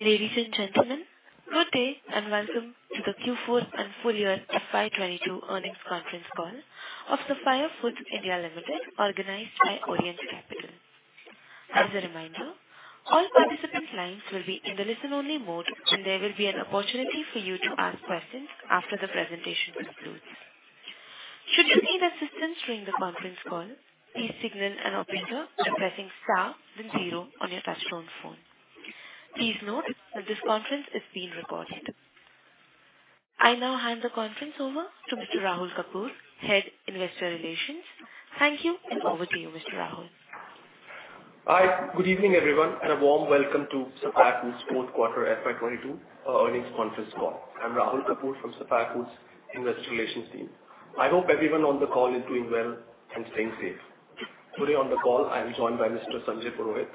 Ladies and gentlemen, good day and welcome to the Q4 and full year FY 2022 Earnings Conference Call Of The Sapphire Foods India Limited, organized by Orient Capital. As a reminder, all participant lines will be in the listen-only mode, and there will be an opportunity for you to ask questions after the presentation concludes. Should you need assistance during the conference call, please signal an operator by pressing star then zero on your touchtone phone. Please note that this conference is being recorded. I now hand the conference over to Mr. Rahul Kapoor, Head, Investor Relations. Thank you and over to you, Mr. Rahul. Hi. Good evening, everyone, and a warm welcome to Sapphire Foods fourth quarter FY 2022 earnings conference call. I'm Rahul Kapoor from Sapphire Foods investor relations team. I hope everyone on the call is doing well and staying safe. Today on the call, I'm joined by Mr. Sanjay Purohit,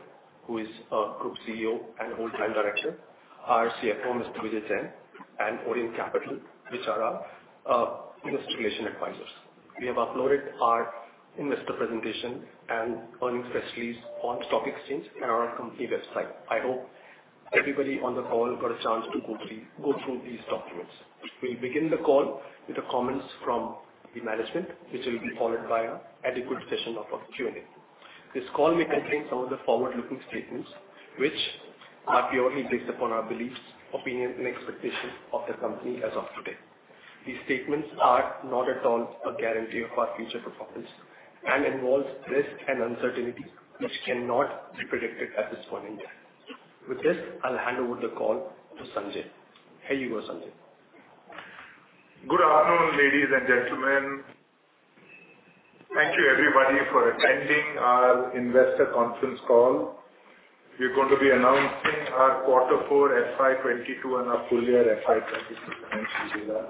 who is our Group CEO and Whole Time Director, our CFO, Mr. Vijay Jain, and Orient Capital, which are our investor relations advisors. We have uploaded our investor presentation and earnings press release on stock exchanges and our company website. I hope everybody on the call got a chance to go through these documents. We'll begin the call with the comments from the management, which will be followed by a Q&A session. This call may contain some of the forward-looking statements, which are purely based upon our beliefs, opinion, and expectations of the company as of today. These statements are not at all a guarantee of our future performance and involves risk and uncertainty which cannot be predicted at this point in time. With this, I'll hand over the call to Sanjay. Here you go, Sanjay. Good afternoon, ladies and gentlemen. Thank you everybody for attending our investor conference call. We're going to be announcing our quarter four FY 2022 and our full year FY 2022 financial data.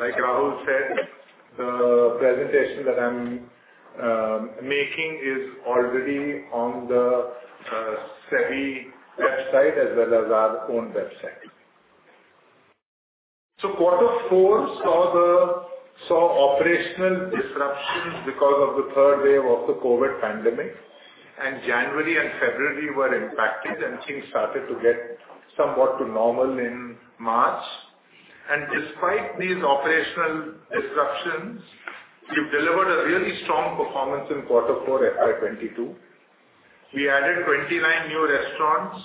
Like Rahul said, the presentation that I'm making is already on the SEBI website as well as our own website. Quarter four saw operational disruptions because of the third wave of the COVID pandemic, and January and February were impacted, and things started to get somewhat to normal in March. Despite these operational disruptions, we've delivered a really strong performance in quarter four FY 2022. We added 29 new restaurants.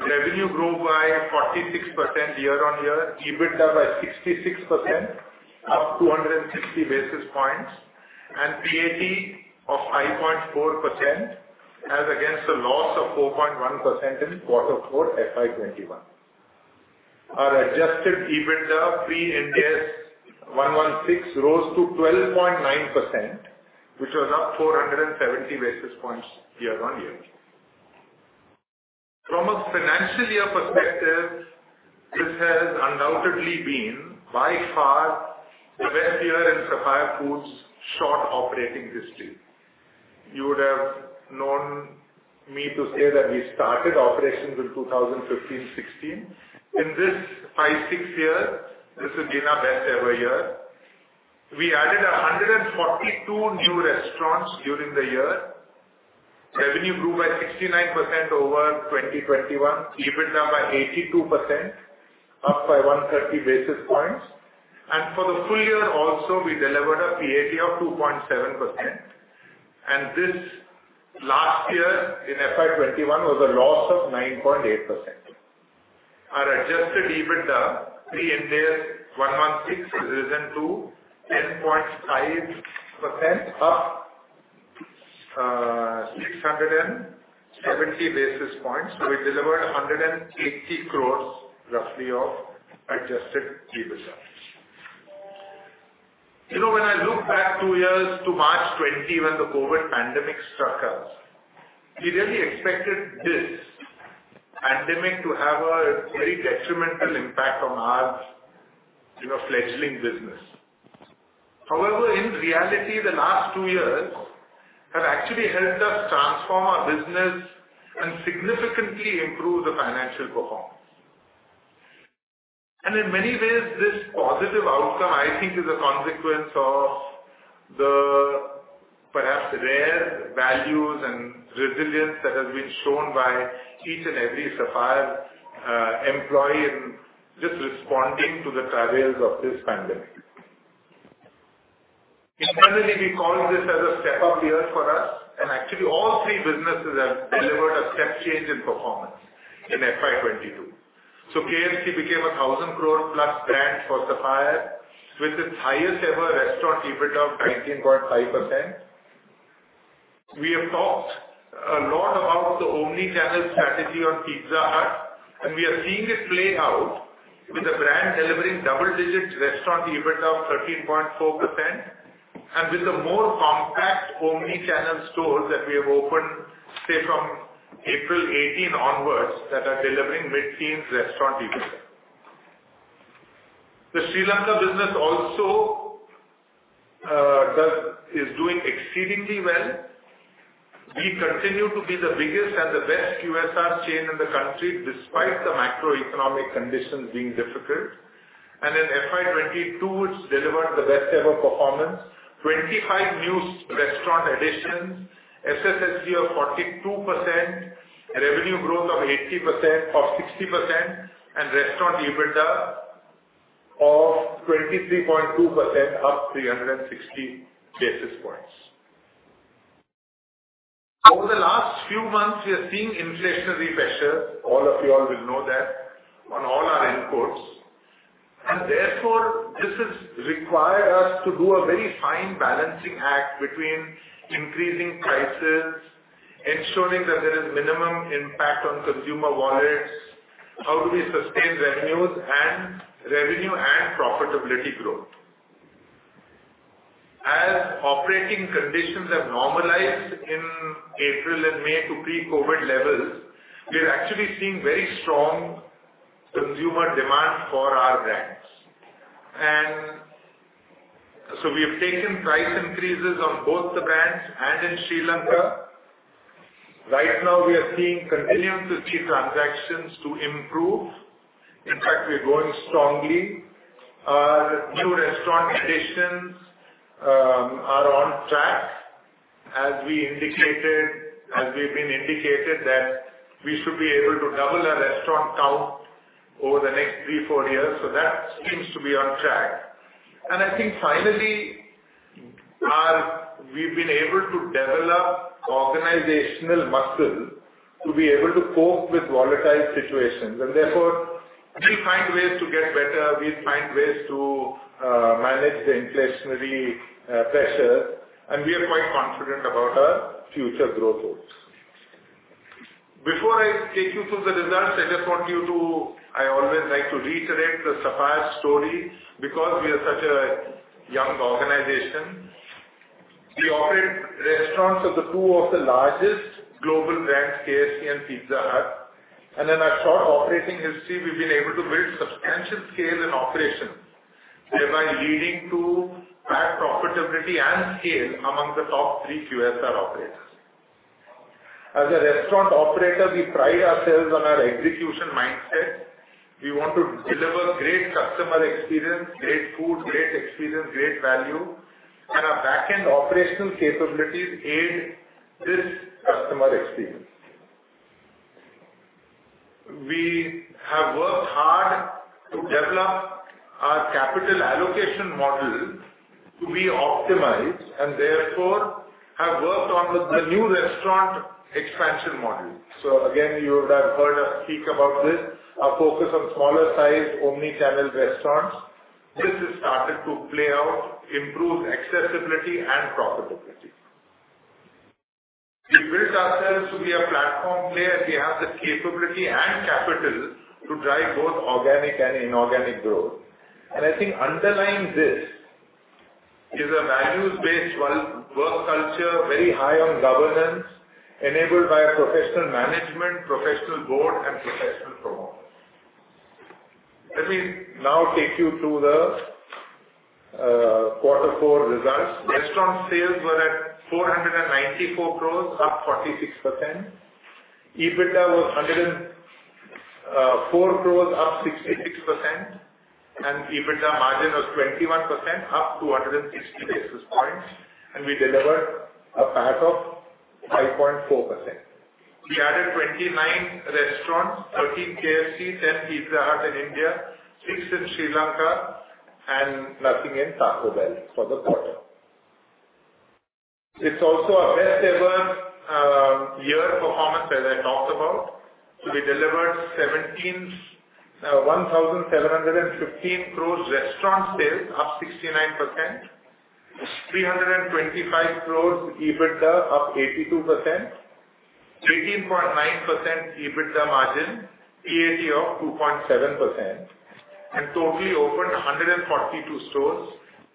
Revenue grew by 46% year-on-year, EBITDA by 66%, up 260 basis points, and PAT of 5.4% as against a loss of 4.1% in quarter four FY 2021. Our adjusted EBITDA pre-Ind AS 116 rose to 12.9%, which was up 470 basis points year-on-year. From a financial year perspective, this has undoubtedly been by far the best year in Sapphire Foods' short operating history. You would have known me to say that we started operations in 2015-2016. In this five, six years, this has been our best ever year. We added 142 new restaurants during the year. Revenue grew by 69% over 2021. EBITDA by 82%, up by 130 basis points. For the full year also we delivered a PAT of 2.7%. This last year in FY 2021 was a loss of 9.8%. Our adjusted EBITDA, pre-Ind AS 116, has risen to 10.5%, up 670 basis points. We delivered 180 crores roughly of adjusted EBITDA. You know, when I look back two years to March 2020, when the COVID pandemic struck us, we really expected this pandemic to have a very detrimental impact on our, you know, fledgling business. However, in reality, the last two years have actually helped us transform our business and significantly improve the financial performance. In many ways, this positive outcome, I think, is a consequence of the perhaps rare values and resilience that has been shown by each and every Sapphire employee in just responding to the trials of this pandemic. Internally, we call this as a step-up year for us, and actually all three businesses have delivered a step change in performance in FY 2022. KFC became a 1,000 crore+ brand for Sapphire with its highest ever restaurant EBITDA of 19.5%. We have talked a lot about the omni channel strategy on Pizza Hut, and we are seeing it play out with the brand delivering double-digit restaurant EBITDA of 13.4% and with a more compact omni channel store that we have opened, say from April 2018 onwards, that are delivering mid-teens restaurant EBITDA. The Sri Lanka business also is doing exceedingly well. We continue to be the biggest and the best QSR chain in the country despite the macroeconomic conditions being difficult. FY 2022, it's delivered the best ever performance. 25 new restaurant additions. SSSG of 42%. Revenue growth of 60%. Restaurant EBITDA of 23.2%, up 360 basis points. Over the last few months, we are seeing inflationary pressures, all of you all will know that, on all our inputs. Therefore, this has required us to do a very fine balancing act between increasing prices, ensuring that there is minimum impact on consumer wallets, how do we sustain revenues and profitability growth. As operating conditions have normalized in April and May to pre-COVID levels, we are actually seeing very strong consumer demand for our brands. We have taken price increases on both the brands and in Sri Lanka. Right now we are continuing to see transactions improve. In fact, we are growing strongly. New restaurant additions are on track. As we indicated, we've indicated that we should be able to double our restaurant count over the next three, four years. That seems to be on track. I think finally, we've been able to develop organizational muscle to be able to cope with volatile situations. Therefore we'll find ways to get better. We'll find ways to manage the inflationary pressure. We are quite confident about our future growth goals. Before I take you through the results, I just want you to. I always like to reiterate the Sapphire story because we are such a young organization. We operate restaurants of two of the largest global brands, KFC and Pizza Hut, and in our short operating history, we've been able to build substantial scale and operations, thereby leading to high profitability and scale among the top three QSR operators. As a restaurant operator, we pride ourselves on our execution mindset. We want to deliver great customer experience, great food, great experience, great value, and our back-end operational capabilities aid this customer experience. We have worked hard to develop our capital allocation model to be optimized and therefore have worked on the new restaurant expansion model. Again, you would have heard us speak about this, our focus on smaller sized omni-channel restaurants. This has started to play out, improve accessibility and profitability. We built ourselves to be a platform player. We have the capability and capital to drive both organic and inorganic growth. I think underlying this is a values-based work culture, very high on governance, enabled by a professional management, professional board and professional promoters. Let me now take you through the quarter four results. Restaurant sales were at 494 crores, up 46%. EBITDA was 104 crores, up 66%. EBITDA margin was 21%, up 260 basis points. We delivered a PAT of 5.4%. We added 29 restaurants, 13 KFCs, 10 Pizza Huts in India, 6 in Sri Lanka, and nothing in Taco Bell for the quarter. It's also our best ever year performance, as I talked about. We delivered 1,715 crores restaurant sales, up 69%, 325 crores EBITDA, up 82%, 13.9% EBITDA margin, PAT of 2.7%, and totally opened 142 stores,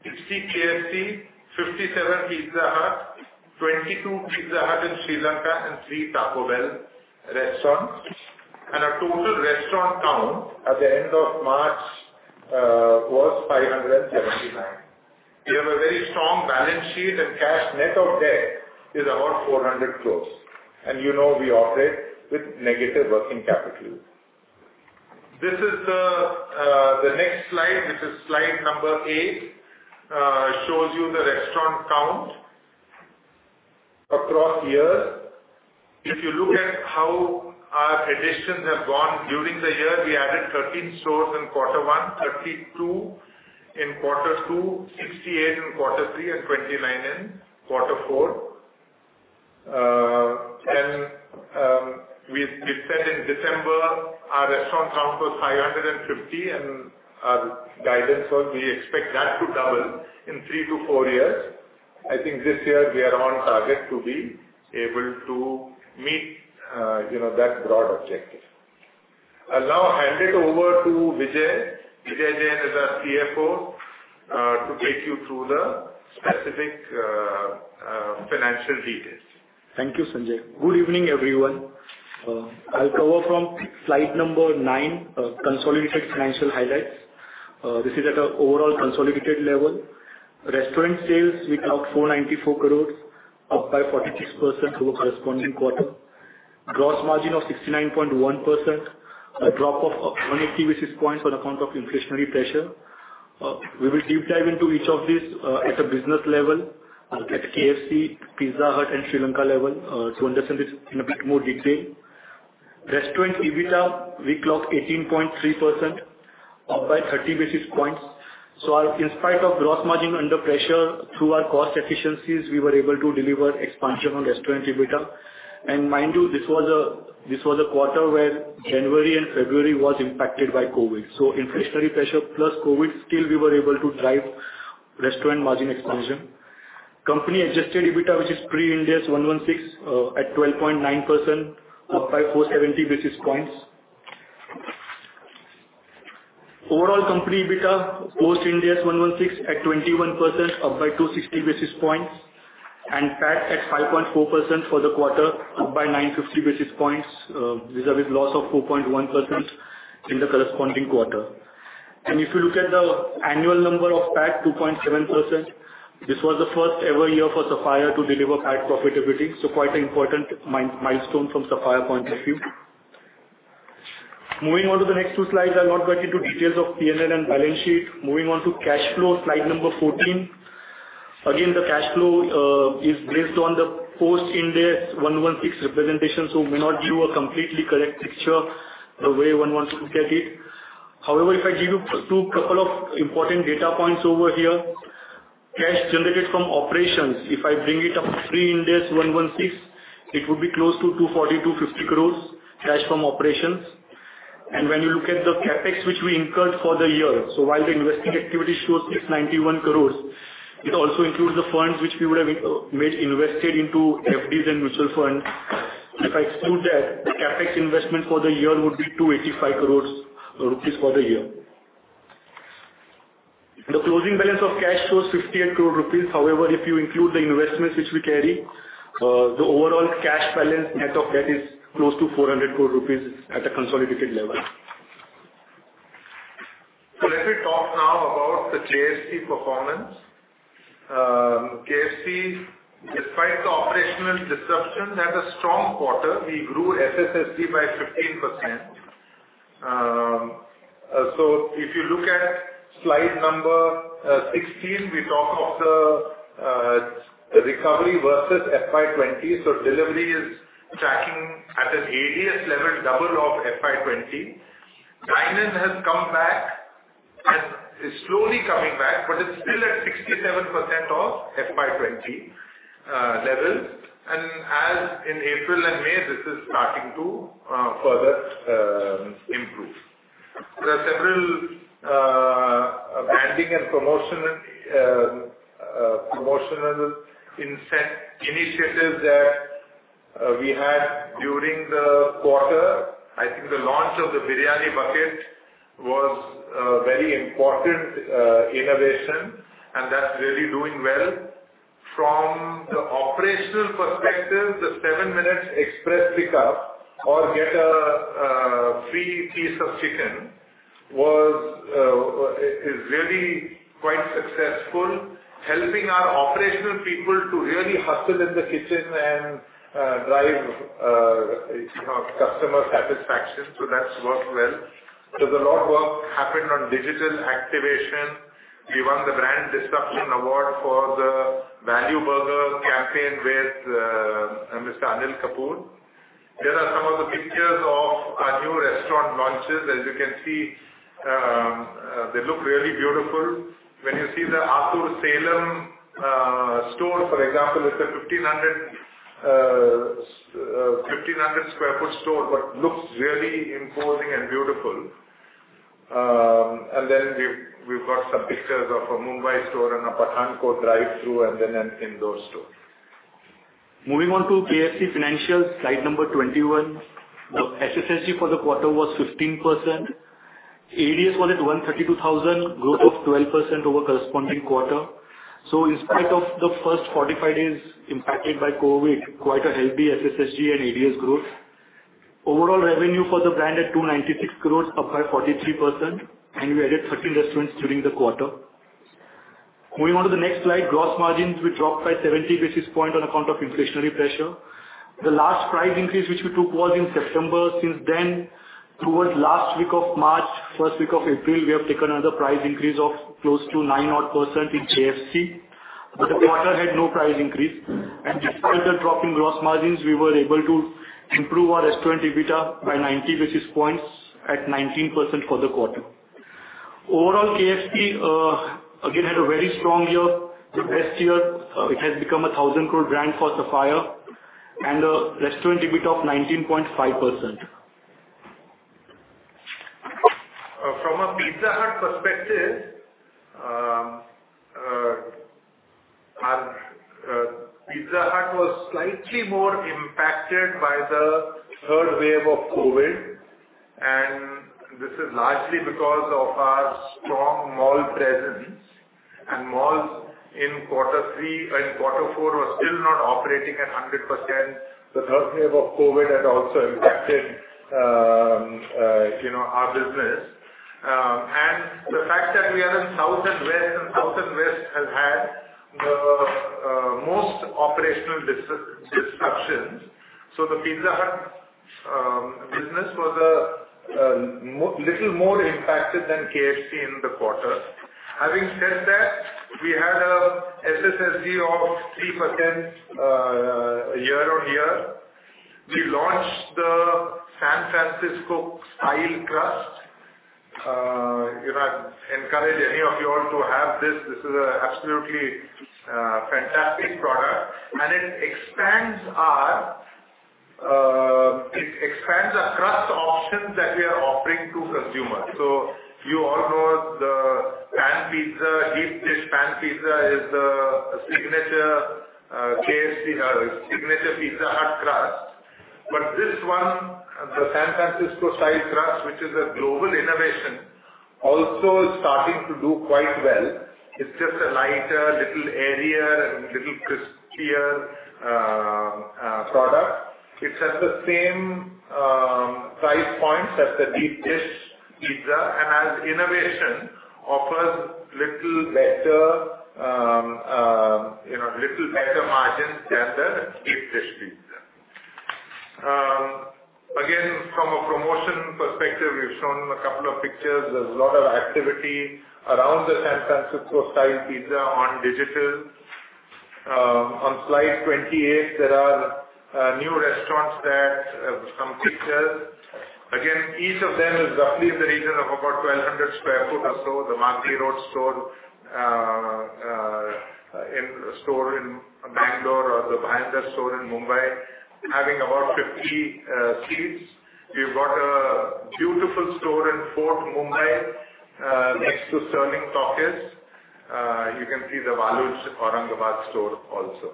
60 KFCs, 57 Pizza Huts, 22 Pizza Huts in Sri Lanka, and three Taco Bell restaurants. Our total restaurant count at the end of March was 579. We have a very strong balance sheet and cash. Net of debt is about 400 crores. You know, we operate with negative working capital. This is the next slide. This is slide number eight. It shows you the restaurant count across years. If you look at how our additions have gone during the year, we added 13 stores in quarter one, 32 in quarter two, 68 in quarter three and 29 in quarter four. We said in December our restaurant count was 550 and our guidance was we expect that to double in three to four years. I think this year we are on target to be able to meet you know, that broad objective. I'll now hand it over to Vijay. Vijay Jain is our CFO, to take you through the specific financial details. Thank you, Sanjay. Good evening, everyone. I'll cover from slide number, consolidated financial highlights. This is at an overall consolidated level. Restaurant sales, we took 494 crore, up by 46% over corresponding quarter. Gross margin of 69.1%, a drop of 100 basis points on account of inflationary pressure. We will deep dive into each of these, at a business level at KFC, Pizza Hut and Sri Lanka level, to understand this in a bit more detail. Restaurant EBITDA, we clocked 18.3%, up by 30 basis points. In spite of gross margin under pressure through our cost efficiencies, we were able to deliver expansion on restaurant EBITDA. Mind you, this was a quarter where January and February was impacted by COVID. Inflationary pressure plus COVID, still we were able to drive restaurant margin expansion. Company adjusted EBITDA, which is pre-Ind AS 116, at 12.9%, up by 470 basis points. Overall company EBITDA post Ind AS 116 at 21%, up by 260 basis points and PAT at 5.4% for the quarter, up by 950 basis points, vis-a-vis loss of 4.1% in the corresponding quarter. If you look at the annual number of PAT 2.7%, this was the first ever year for Sapphire to deliver PAT profitability, so quite an important milestone from Sapphire point of view. Moving on to the next two slides. I'll not get into details of P&L and balance sheet. Moving on to cash flow, slide number 14. Again, the cash flow is based on the post Ind AS 116 representation, so may not give a completely correct picture the way one wants to look at it. However, if I give you a couple of important data points over here. Cash generated from operations, if I bring it up pre Ind AS 116, it would be close to 240 crores-250 crores cash from operations. When you look at the CapEx which we incurred for the year, so while the investing activity shows 691 crores, it also includes the funds which we would have invested into FDs and mutual funds. If I exclude that, the CapEx investment for the year would be 285 crores rupees for the year. The closing balance of cash shows 58 crore rupees. However, if you include the investments which we carry, the overall cash balance net of debt is close to 400 crore rupees at a consolidated level. Let me talk now about the KFC performance. KFC, despite the operational disruption, had a strong quarter. We grew SSSG by 15%. If you look at slide number 16, we talk of the recovery versus FY 2020. Delivery is tracking at an ADS level double of FY 2020. Dine-in has come back and is slowly coming back, but it's still at 67% of FY 2020 level. As in April and May, this is starting to further improve. There are several branding and promotional initiatives that we had during the quarter. I think the launch of the Biryani Bucket was a very important innovation, and that's really doing well. From the operational perspective, the seven minutes express pickup or get a free piece of chicken is really quite successful, helping our operational people to really hustle in the kitchen and drive you know customer satisfaction. That's worked well. There's a lot of work happened on digital activation. We won the Brand Disruption Award for the Value Burger campaign with Mr. Anil Kapoor. There are some of the pictures of our new restaurant launches. As you can see, they look really beautiful. When you see the Attur, Salem store, for example, it's a 1,500 sq ft store, but looks really imposing and beautiful. Then we've got some pictures of a Mumbai store and a Pathankot drive-through and then an indoor store. Moving on to KFC financials, slide number 21. The SSSG for the quarter was 15%. ADS was at 132,000, growth of 12% over corresponding quarter. In spite of the first 45 days impacted by COVID, quite a healthy SSSG and ADS growth. Overall revenue for the brand at 296 crores, up by 43%, and we added 13 restaurants during the quarter. Moving on to the next slide. Gross margins were dropped by 70 basis points on account of inflationary pressure. The last price increase, which we took was in September. Since then, towards last week of March, first week of April, we have taken another price increase of close to 9% in KFC. The quarter had no price increase. Despite the drop in gross margins, we were able to improve our restaurant EBITDA by 90 basis points at 19% for the quarter. Overall, KFC again had a very strong year, the best year. It has become a 1,000 crore brand for Sapphire and a restaurant EBITDA of 19.5%. From a Pizza Hut perspective, our Pizza Hut was slightly more impacted by the third wave of COVID, and this is largely because of our strong mall presence. Malls in quarter three and quarter four were still not operating at 100%. The third wave of COVID had also impacted, you know, our business. The fact that we are in South and West, and South and West has had the most operational disruptions. The Pizza Hut business was a little more impacted than KFC in the quarter. Having said that, we had a SSSG of 3%, year-on-year. We launched the San Francisco Style Crust. You know, I'd encourage any of you all to have this. This is absolutely fantastic product, and it expands the crust options that we are offering to consumers. You all know the pan pizza. Deep dish pan pizza is the signature KFC or signature Pizza Hut crust. This one, the San Francisco Style crust, which is a global innovation, also is starting to do quite well. It's just a lighter, little airier, and little crispier product. It's at the same price point as the deep dish pizza and this innovation offers little better, you know, little better margins than the deep dish pizza. Again, from a promotion perspective, we've shown a couple of pictures. There's a lot of activity around the San Francisco Style Pizza on digital. On slide 28, there are new restaurants that have some pictures. Each of them is roughly in the region of about 1,200 sq ft or so. The Magadi Road store in Bangalore or the Bandra store in Mumbai, having about 50 seats. We've got a beautiful store in Fort Mumbai next to Sterling Talkies. You can see the Waluj, Aurangabad store also.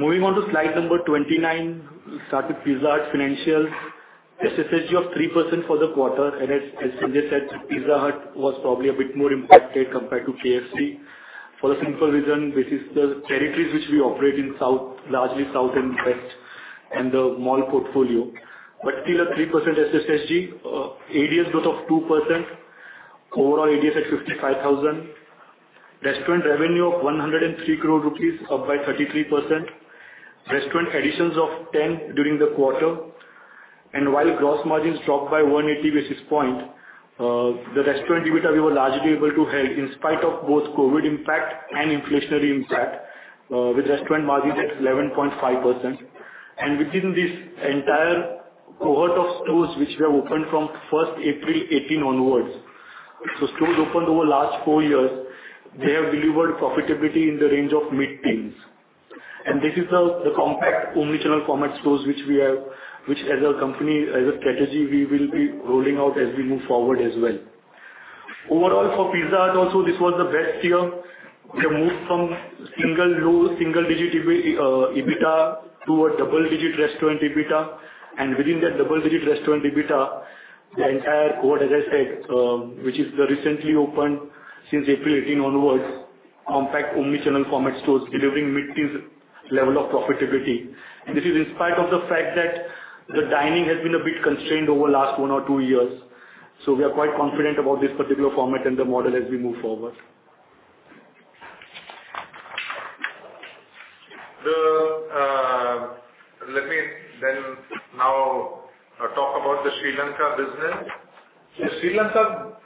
Moving on to slide number 29. We start with Pizza Hut financials. SSSG of 3% for the quarter. As Sanjay said, Pizza Hut was probably a bit more impacted compared to KFC for the simple reason, which is the territories which we operate in South, largely South and West and the mall portfolio. Still a 3% SSSG, ADS growth of 2%, overall ADS at 55,000. Restaurant revenue of 103 crore rupees, up by 33%. Restaurant additions of 10 during the quarter. While gross margins dropped by 180 basis points, the restaurant EBITDA, we were largely able to hold in spite of both COVID impact and inflationary impact, with restaurant margin at 11.5%. Within this entire cohort of stores which were opened from first April 2018 onwards, so stores opened over last four years, they have delivered profitability in the range of mid-teens. This is the compact omnichannel format stores which we have, which as a company, as a strategy, we will be rolling out as we move forward as well. Overall, for Pizza Hut also this was the best year. We have moved from single-digit EBITDA to a double-digit restaurant EBITDA. Within that double-digit restaurant EBITDA, the entire cohort, as I said, which is the recently opened since April 2018 onwards, compact omnichannel format stores delivering mid-teens level of profitability. This is in spite of the fact that the dining has been a bit constrained over the last one or two years. We are quite confident about this particular format and the model as we move forward. Let me then now talk about the Sri Lanka business. The Sri Lanka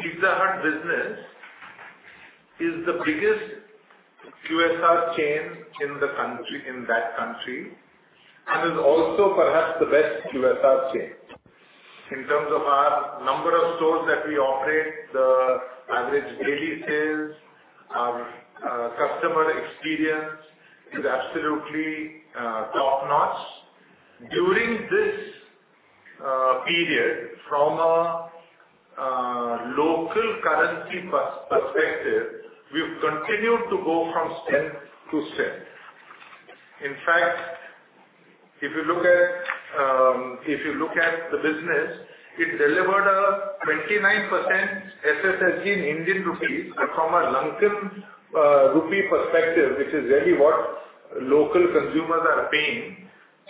Pizza Hut business is the biggest QSR chain in the country, in that country, and is also perhaps the best QSR chain. In terms of our number of stores that we operate, the average daily sales, our customer experience is absolutely top-notch. During this period, from a local currency perspective, we've continued to go from strength to strength. In fact, if you look at the business, it delivered a 29% SSSG in Indian rupees. From a Lankan rupee perspective, which is really what local consumers are paying,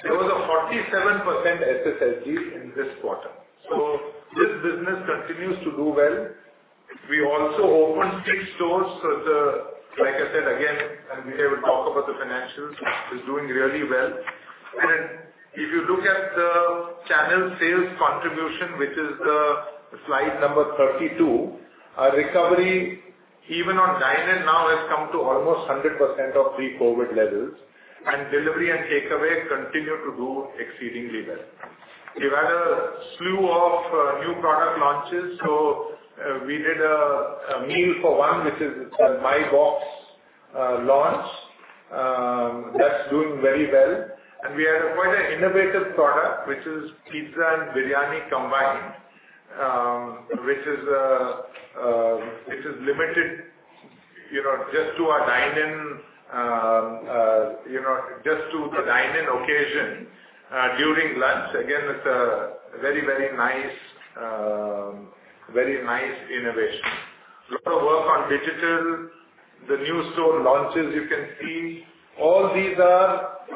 there was a 47% SSSG in this quarter. This business continues to do well. We also opened six stores. Like I said again, Vijay Jain will talk about the financials, it's doing really well. If you look at the channel sales contribution, which is the slide number 32, our recovery even on dine-in now has come to almost 100% of pre-COVID levels, and delivery and takeaway continue to do exceedingly well. We've had a slew of new product launches. We did a meal for one, which is the My Box launch. That's doing very well. We have quite an innovative product, which is pizza and biryani combined, which is limited, you know, just to our dine-in, you know, just to the dine-in occasion, during lunch. It's a very, very nice, very nice innovation. A lot of work on digital. The new store launches you can see. All these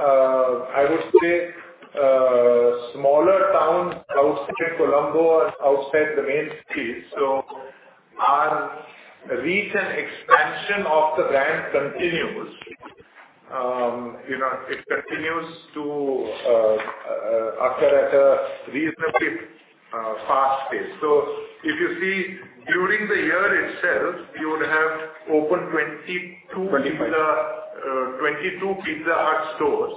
are, I would say, smaller towns outside Colombo and outside the main cities. Our recent expansion of the brand continues. You know, it continues to occur at a reasonably fast pace. If you see during the year itself, we would have opened 22- 25. 22 Pizza Hut stores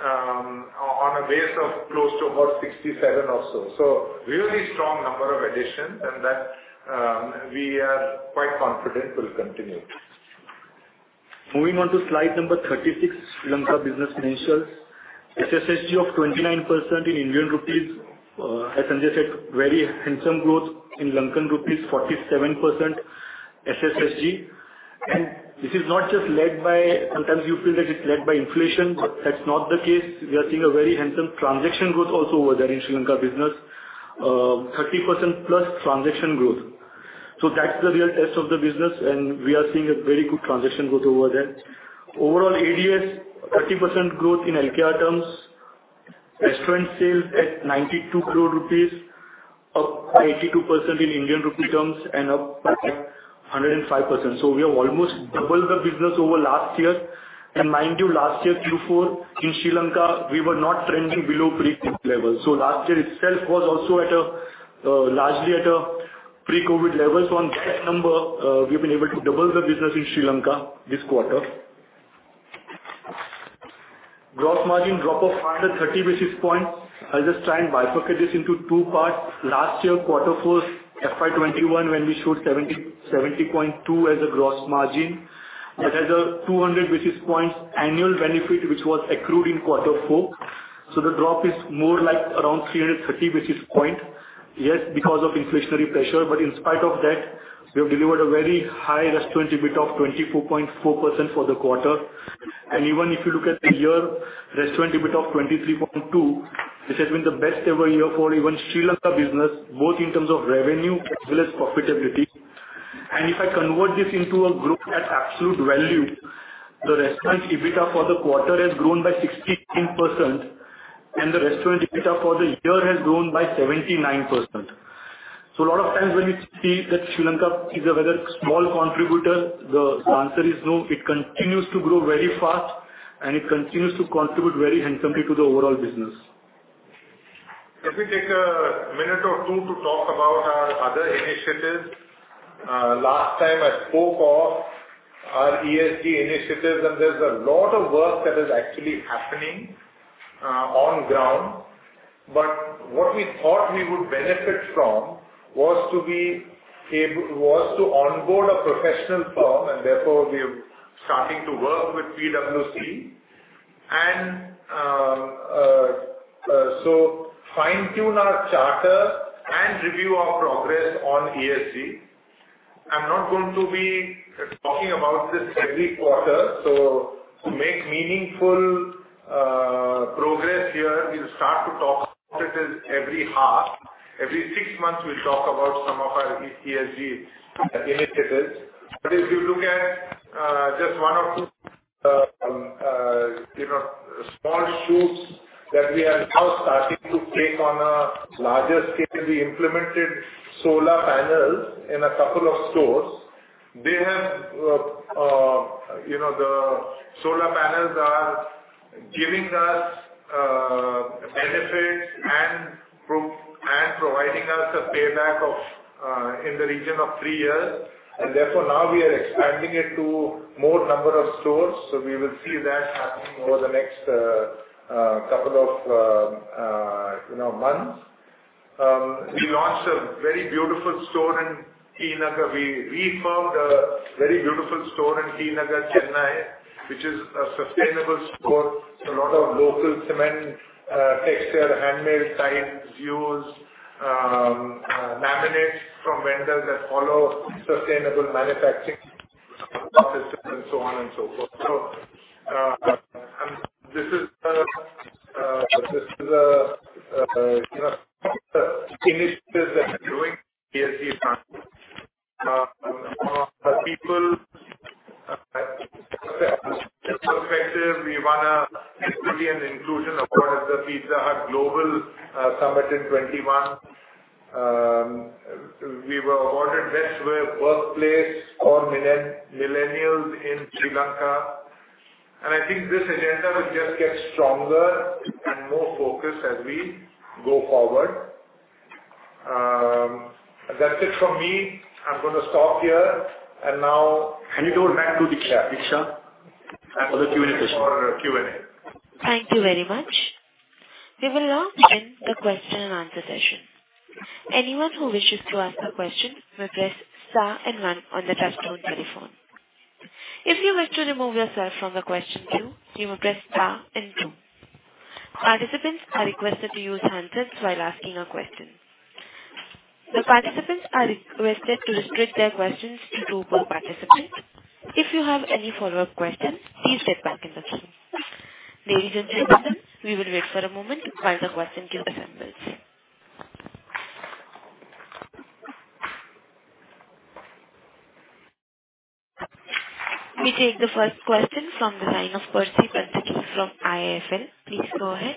on a base of close to about 67 or so. Really strong number of additions and that we are quite confident will continue. Moving on to slide number 36, Sri Lanka business financials. SSSG of 29% in INR has suggested very handsome growth in LKR, 47% SSSG. This is not just led by. Sometimes you feel that it's led by inflation, but that's not the case. We are seeing a very handsome transaction growth also over there in Sri Lanka business. 30% plus transaction growth. That's the real test of the business and we are seeing a very good transaction growth over there. Overall ADS, 30% growth in LKR terms. Restaurant sales at 92 crore rupees, up 82% in Indian rupee terms and up 105%. We have almost doubled the business over last year. Mind you, last year Q4 in Sri Lanka we were not trending below pre-COVID levels. Last year itself was also largely at a pre-COVID level. On that number, we've been able to double the business in Sri Lanka this quarter. Gross margin drop of 530 basis points. I'll just try and bifurcate this into two parts. Last year quarter four FY 2021 when we showed 70.2 as a gross margin. It has a 200 basis points annual benefit which was accrued in quarter four. The drop is more like around 330 basis points. Yes, because of inflationary pressure, but in spite of that we have delivered a very high restaurant EBIT of 24.4% for the quarter. Even if you look at the year, restaurant EBIT of 23.2, this has been the best ever year for even Sri Lanka business, both in terms of revenue as well as profitability. If I convert this into a group at absolute value, the restaurant EBIT for the quarter has grown by 63% and the restaurant EBIT for the year has grown by 79%. A lot of times when you see that Sri Lanka is a very small contributor, the answer is no. It continues to grow very fast and it continues to contribute very handsomely to the overall business. Let me take a minute or two to talk about our other initiatives. Last time I spoke of our ESG initiatives and there's a lot of work that is actually happening on the ground. What we thought we would benefit from was to onboard a professional firm and therefore we are starting to work with PwC and so fine-tune our charter and review our progress on ESG. I'm not going to be talking about this every quarter, so to make meaningful progress here we'll start to talk about it every half. Every six months we'll talk about some of our ESG initiatives. If you look at just one of the you know small shoots that we are now starting to take on a larger scale, we implemented solar panels in a couple of stores. They have, you know, the solar panels are giving us benefits and providing us a payback of in the region of three years and therefore now we are expanding it to more number of stores. We will see that happening over the next couple of, you know, months. We launched a very beautiful store in T. Nagar. We refurbished a very beautiful store in T. Nagar, Chennai, which is a sustainable store. A lot of local cement texture, handmade tiles used, laminates from vendors that follow sustainable manufacturing systems and so on and so forth. This is, you know, initiatives that we are doing ESG front. From a people perspective we wanna equity and inclusion across the Pizza Hut global summit in 2021. We were awarded best workplace for millennials in Sri Lanka. I think this agenda will just get stronger and more focused as we go forward. That's it from me. I'm gonna stop here and now hand over back to Diksha. Diksha. [At this time we are ready] For Q&A. Thank you very much. We will now begin the question and answer session. Anyone who wishes to ask a question may press star and one on the touchtone telephone. If you wish to remove yourself from the question queue, you may press star and two. Participants are requested to use handsets while asking a question. The participants are requested to restrict their questions to two per participant. If you have any follow-up questions, please stay back in the queue. Ladies and gentlemen, we will wait for a moment while the question queue assembles. We take the first question from the line of Percy Panthaki from IIFL. Please go ahead.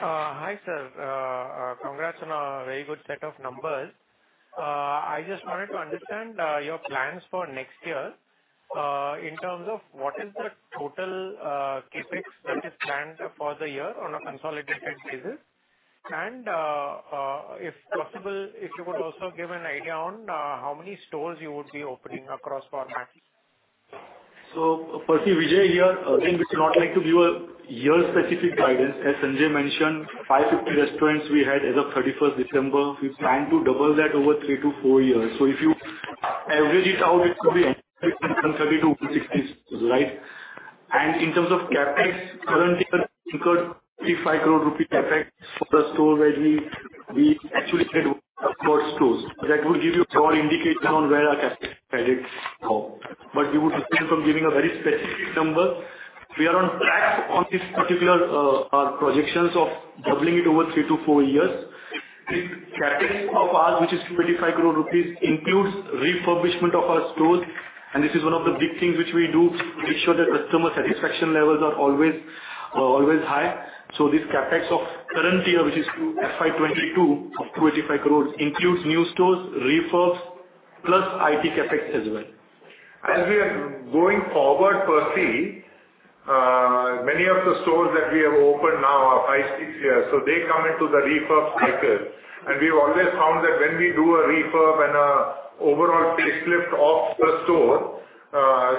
Hi, sir. Congrats on a very good set of numbers. I just wanted to understand your plans for next year in terms of what is the total CapEx that is planned for the year on a consolidated basis. If possible, if you would also give an idea on how many stores you would be opening across formats. Percy, Vijay here. Again, we do not like to give a year specific guidance. As Sanjay mentioned, 550 restaurants we had as of 31 December. We plan to double that over three to four years. If you average it out, it could be 30-60 stores, right? In terms of CapEx, currently we've incurred 285 crore rupees CapEx for the store where we actually had four stores. That will give you a broad indication on where our CapEx credits go. We would refrain from giving a very specific number. We are on track on this particular projections of doubling it over three to four years. The CapEx of ours, which is 285 crore rupees, includes refurbishment of our stores, and this is one of the big things which we do to ensure that customer satisfaction levels are always high. This CapEx of current year, which is FY 2022, of 285 crore, includes new stores, refurbs, plus IT CapEx as well. As we are going forward, Percy, many of the stores that we have opened now are five, six years, so they come into the refurb cycle. We've always found that when we do a refurb and an overall facelift of the store,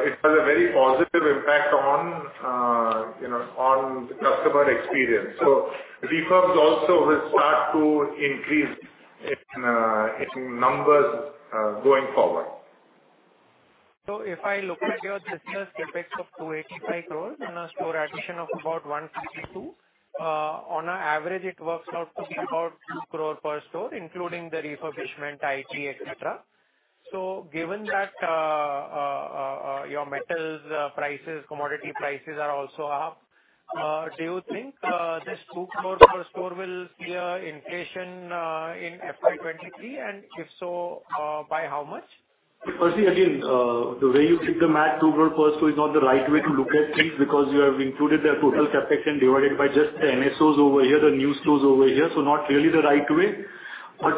it has a very positive impact on, you know, on the customer experience. Refurbs also will start to increase in numbers going forward. If I look at your business CapEx of 285 crore and a store addition of about 152, on average, it works out to be about 2 crore per store, including the refurbishment, IT, et cetera. Given that, your metal prices, commodity prices are also up, do you think this INR 2 crore per store will cover inflation in FY 2023, and if so, by how much? Percy, again, the way you did the math, 2 crore per store, is not the right way to look at things because you have included the total CapEx and divided by just the NSOs over here, the new stores over here. Not really the right way.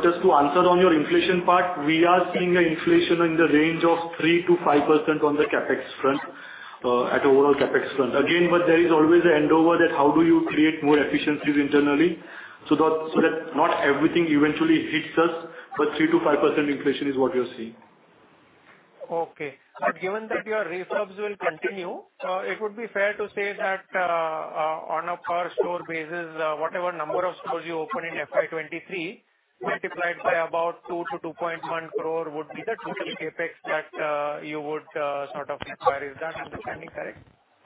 Just to answer on your inflation part, we are seeing an inflation in the range of 3%-5% on the CapEx front, at overall CapEx front. Again, there is always an end to that. How do you create more efficiencies internally so that not everything eventually hits us, but 3%-5% inflation is what you're seeing. Okay. Given that your refurbs will continue, it would be fair to say that on a per store basis, whatever number of stores you open in FY 2023 multiplied by about 2 crore-2.1 crore would be the total CapEx that you would sort of require. Is that understanding correct?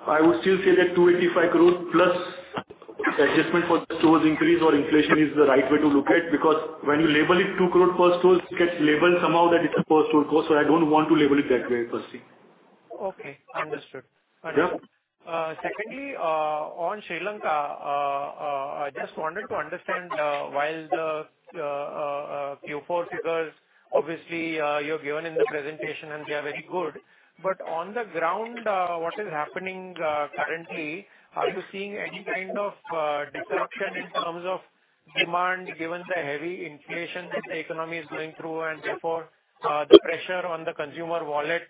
I would still say that 285 crore plus the adjustment for the stores increase or inflation is the right way to look at, because when you label it 2 crore per store, it gets labeled somehow that it's a per store cost, so I don't want to label it that way, Percy. Okay, understood. Yeah. Secondly, on Sri Lanka, I just wanted to understand, while the Q4 figures, obviously, you're given in the presentation and they are very good, but on the ground, what is happening currently, are you seeing any kind of disruption in terms of demand, given the heavy inflation that the economy is going through and therefore, the pressure on the consumer wallet,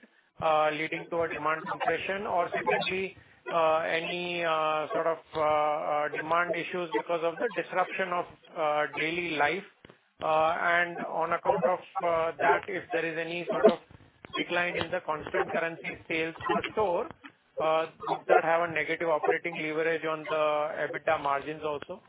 leading to a demand compression? Or secondly, any sort of demand issues because of the disruption of daily life, and on account of that, if there is any sort of decline in the constant currency sales per store, could that have a negative operating leverage on the EBITDA margins also?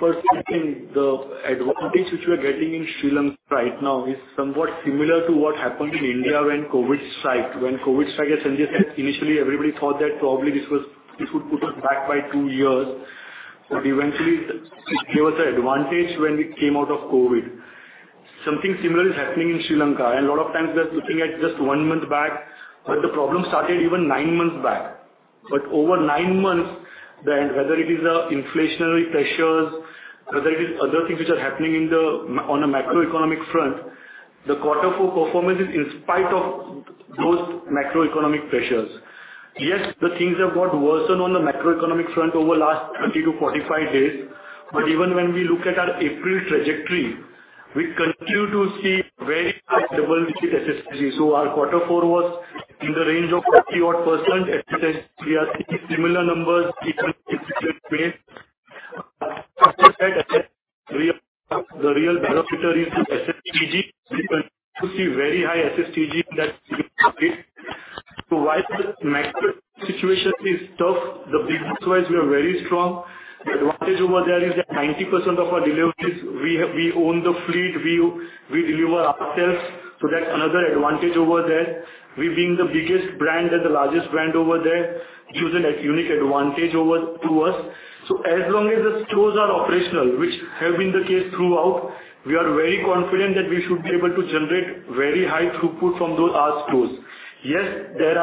Percy, I think the advantage which we are getting in Sri Lanka right now is somewhat similar to what happened in India when COVID strike. When COVID strike, as Sanjay said, initially everybody thought that probably this would put us back by two years, but eventually it gave us an advantage when we came out of COVID. Something similar is happening in Sri Lanka, and a lot of times we are looking at just one month back, but the problem started even nine months back. But over nine months, whether it is inflationary pressures, whether it is other things which are happening on a macroeconomic front, the quarter four performance is in spite of those macroeconomic pressures. Yes, the things have got worsened on the macroeconomic front over last 30-45 days. Even when we look at our April trajectory, we continue to see very high double-digit SSSG. Our quarter four was in the range of 30 odd percent. At present we are seeing similar numbers. The real benefit here is the SSSG. We continue to see very high SSSG in that. While the macro situation is tough, business-wise we are very strong. The advantage over there is that 90% of our deliveries, we own the fleet, we deliver ourselves. That's another advantage over there. We being the biggest brand and the largest brand over there gives a, like, unique advantage to us. As long as the stores are operational, which have been the case throughout, we are very confident that we should be able to generate very high throughput from those our stores. Yes, there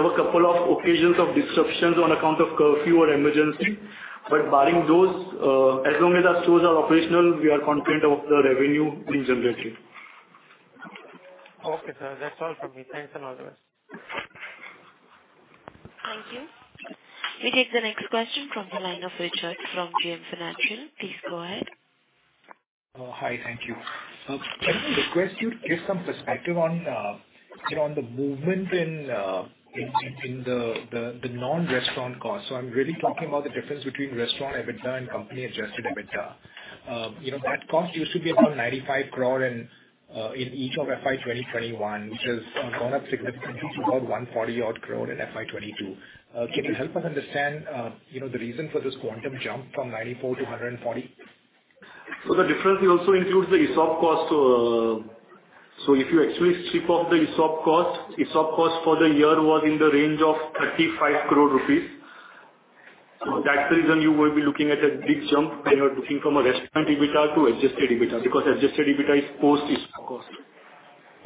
were a couple of occasions of disruptions on account of curfew or emergency. Barring those, as long as our stores are operational, we are confident of the revenue being generated. Okay, sir. That's all from me. Thanks and all the best. Thank you. We take the next question from the line of Richard from JM Financial. Please go ahead. Hi. Thank you. Can I request you to give some perspective on, you know, on the movement in the non-restaurant costs. I'm really talking about the difference between restaurant EBITDA and company-adjusted EBITDA. You know, that cost used to be around 95 crore in each of FY 2021, which has gone up significantly to about 140 crore in FY 2022. Can you help us understand, you know, the reason for this quantum jump from 94 crore to 140 crore? The difference also includes the ESOP cost. If you actually strip off the ESOP cost, ESOP cost for the year was in the range of 35 crore rupees. That's the reason you will be looking at a big jump when you're looking from a restaurant EBITDA to adjusted EBITDA, because adjusted EBITDA is post ESOP cost.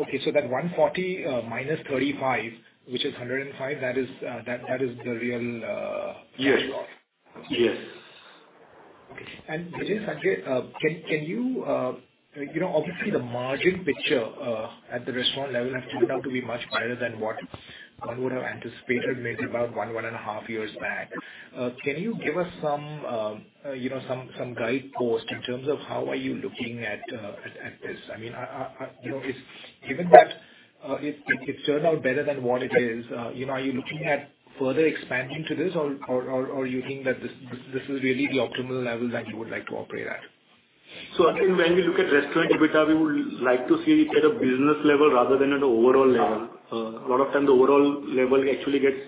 Okay. That 140 minus 35, which is 105, that is the real cost. Yes. Yes. Okay. Vijay, Sanjay, can you you know obviously the margin picture at the restaurant level has turned out to be much better than what one would have anticipated maybe about 1.5 years back. Can you give us some you know some guidepost in terms of how are you looking at this? I mean. You know, is given that it turned out better than what it is you know are you looking at further expanding to this or you think that this is really the optimal level that you would like to operate at? I think when we look at restaurant EBITDA, we would like to see it at a business level rather than at an overall level. A lot of time the overall level actually gets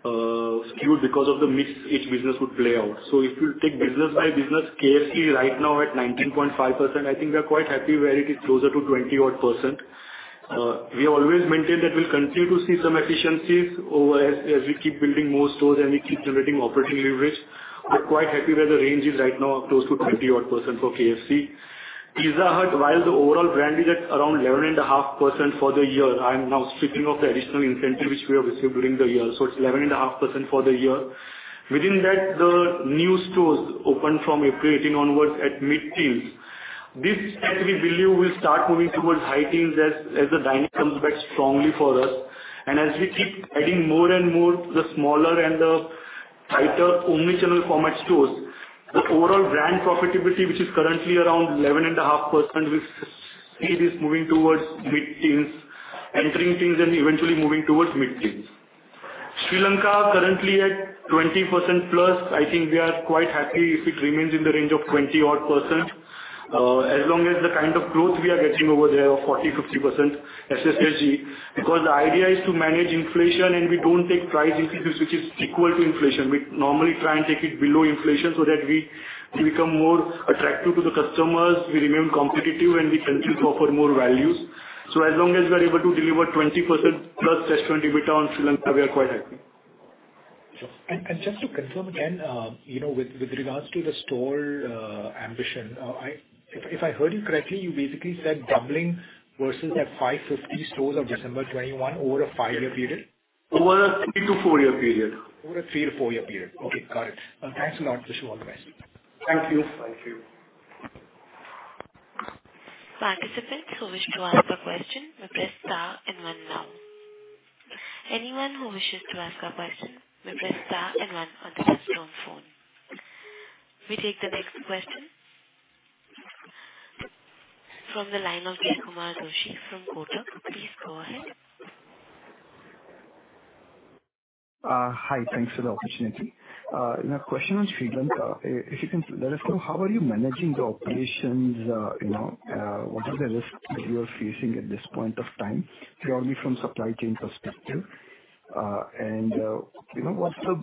skewed because of the mix each business would play out. If you take business by business, KFC right now at 19.5%, I think we are quite happy where it is closer to 20 odd percent. We always maintain that we'll continue to see some efficiencies as we keep building more stores and we keep generating operating leverage. We're quite happy where the range is right now close to 20 odd percent for KFC. Pizza Hut, while the overall brand is at around 11.5% for the year, I'm now stripping off the additional incentive which we have received during the year, so it's 11.5% for the year. Within that, the new stores opened from April 2018 onwards at mid-teens. This set we believe will start moving towards high teens as the dining comes back strongly for us. As we keep adding more and more the smaller and the tighter omni-channel format stores, the overall brand profitability, which is currently around 11.5%, we see this moving towards mid-teens, entering teens and eventually moving towards mid-teens. Sri Lanka currently at 20%+. I think we are quite happy if it remains in the range of 20 odd percent, as long as the kind of growth we are getting over there of 40-50% SSSG. Because the idea is to manage inflation and we don't take price increases which is equal to inflation. We normally try and take it below inflation so that we become more attractive to the customers, we remain competitive, and we continue to offer more values. As long as we are able to deliver 20%+ restaurant EBITDA on Sri Lanka, we are quite happy. Sure. Just to confirm again, you know, with regards to the store ambition, if I heard you correctly, you basically said doubling versus the 550 stores of December 2021 over a five-year period. Over a three to four year period. Over a three to four year period. Okay. Got it. Thanks a lot, wish you all the best. Thank you. Thank you. Participants who wish to ask a question may press star and one now. Anyone who wishes to ask a question may press star and one on the touchtone phone. We take the next question from the line of Jaykumar Doshi from Kotak. Please go ahead. Hi. Thanks for the opportunity. I have a question on Sri Lanka. If you can let us know how are you managing the operations, you know, what are the risks you are facing at this point of time, purely from supply chain perspective? You know, what's the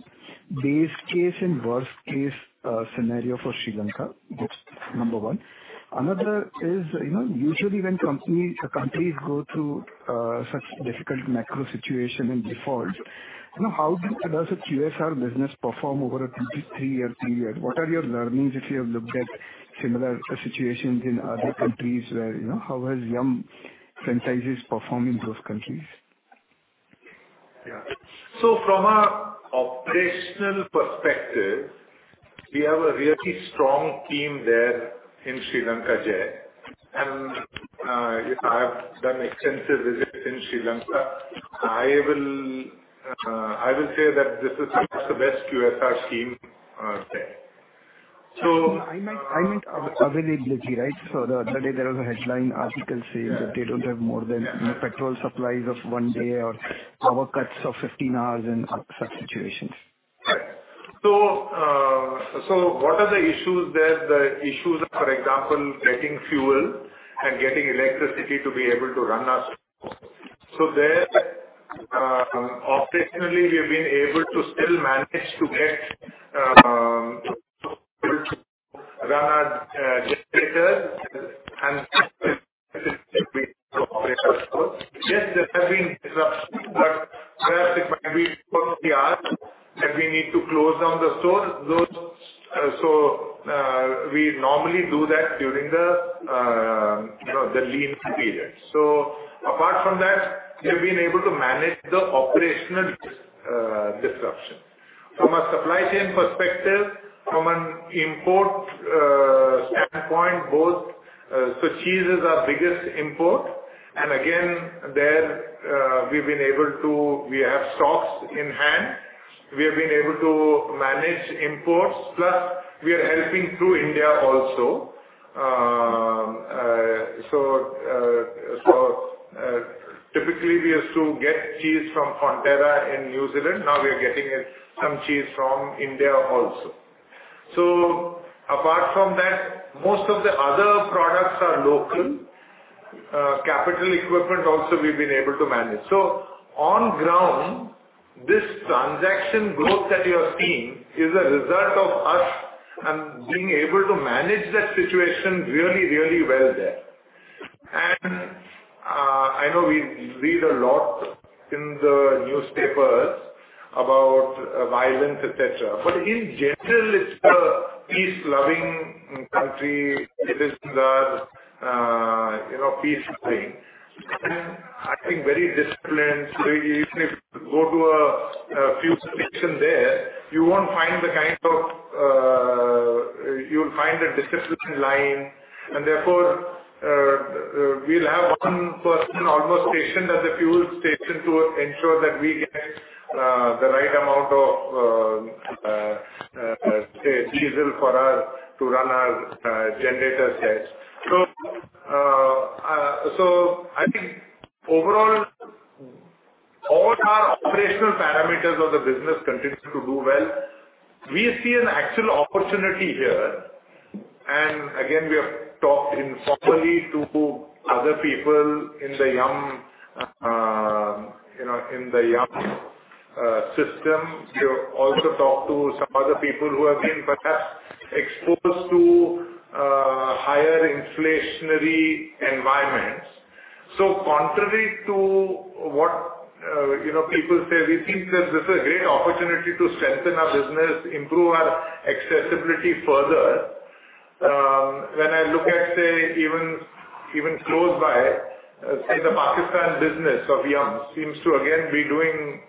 base case and worst case scenario for Sri Lanka? That's number one. Another is, you know, usually when countries go through such difficult macro situation and default, you know, how does a QSR business perform over a two to three year period? What are your learnings if you have looked at similar situations in other countries where, you know, how has Yum! franchises performed in those countries? Yeah. From an operational perspective, we have a really strong team there in Sri Lanka, Jay. You know, I've done extensive visits in Sri Lanka. I will say that this is perhaps the best QSR team there. So. I meant availability, right? The other day there was a headline article saying that they don't have more than petrol supplies of one day or power cuts of 15 hours and such situations. Right. What are the issues there? The issues are, for example, getting fuel and getting electricity to be able to run our stores. There, operationally, we've been able to still manage to run our generators and operate our stores. Yes, there have been disruptions, but where it might be for a few hours and we need to close down the stores, those. We normally do that during the, you know, the lean period. Apart from that, we have been able to manage the operational disruption. From a supply chain perspective, from an import standpoint, both, cheese is our biggest import. Again, there, we've been able to. We have stocks in hand. We have been able to manage imports, plus we are helping through India also. Typically we used to get cheese from Fonterra in New Zealand. Now we are getting it, some cheese from India also. Apart from that, most of the other products are local. Capital equipment also we've been able to manage. On ground, this transaction growth that you are seeing is a result of us being able to manage that situation really, really well there. I know we read a lot in the newspapers about violence, et cetera. In general, it's a peace-loving country. Citizens are, you know, peace-loving, and I think very disciplined. Even if you go to a fuel station there, you won't find the kind of. You'll find a disciplined line, and therefore, we'll have one person almost stationed at the fuel station to ensure that we get the right amount of say, diesel for us to run our generators there. I think overall all our operational parameters of the business continue to do well. We see an actual opportunity here, and again, we have talked informally to other people in the Yum!, you know, in the Yum! system. We have also talked to some other people who have been perhaps exposed to higher inflationary environments. Contrary to what you know, people say, we think that this is a great opportunity to strengthen our business, improve our accessibility further. When I look at, say, even close by, say, the Pakistan business of Yum! seems to again be doing,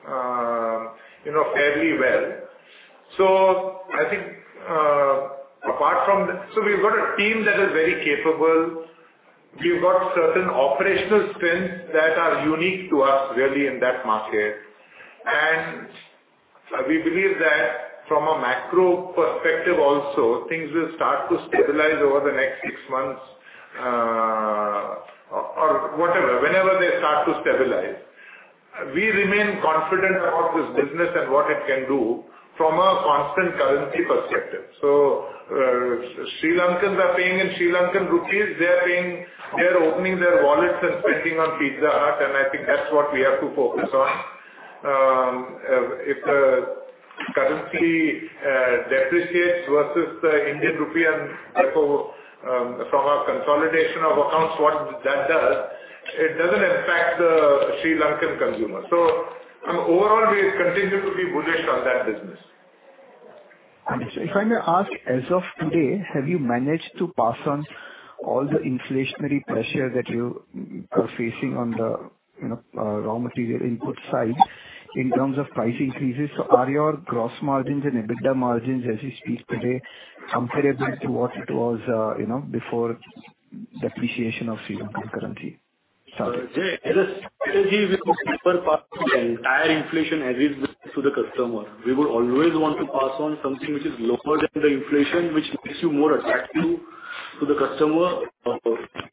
you know, fairly well. I think we've got a team that is very capable. We've got certain operational strengths that are unique to us really in that market. We believe that from a macro perspective also, things will start to stabilize over the next six months, or whatever. Whenever they start to stabilize. We remain confident about this business and what it can do from a constant currency perspective. Sri Lankans are paying in Sri Lankan rupees. They are opening their wallets and spending on Pizza Hut, and I think that's what we have to focus on. If the currency depreciates versus the Indian rupee, and therefore, from our consolidation of accounts, what that does, it doesn't impact the Sri Lankan consumer. You know, overall we continue to be bullish on that business. Understood. If I may ask, as of today, have you managed to pass on all the inflationary pressure that you are facing on the, you know, raw material input side in terms of price increases? Are your gross margins and EBITDA margins as we speak today comparable to what it was, you know, before depreciation of Sri Lankan currency started? Yeah. Our strategy will be to pass on the entire inflation as is to the customer. We would always want to pass on something which is lower than the inflation, which makes you more attractive to the customer.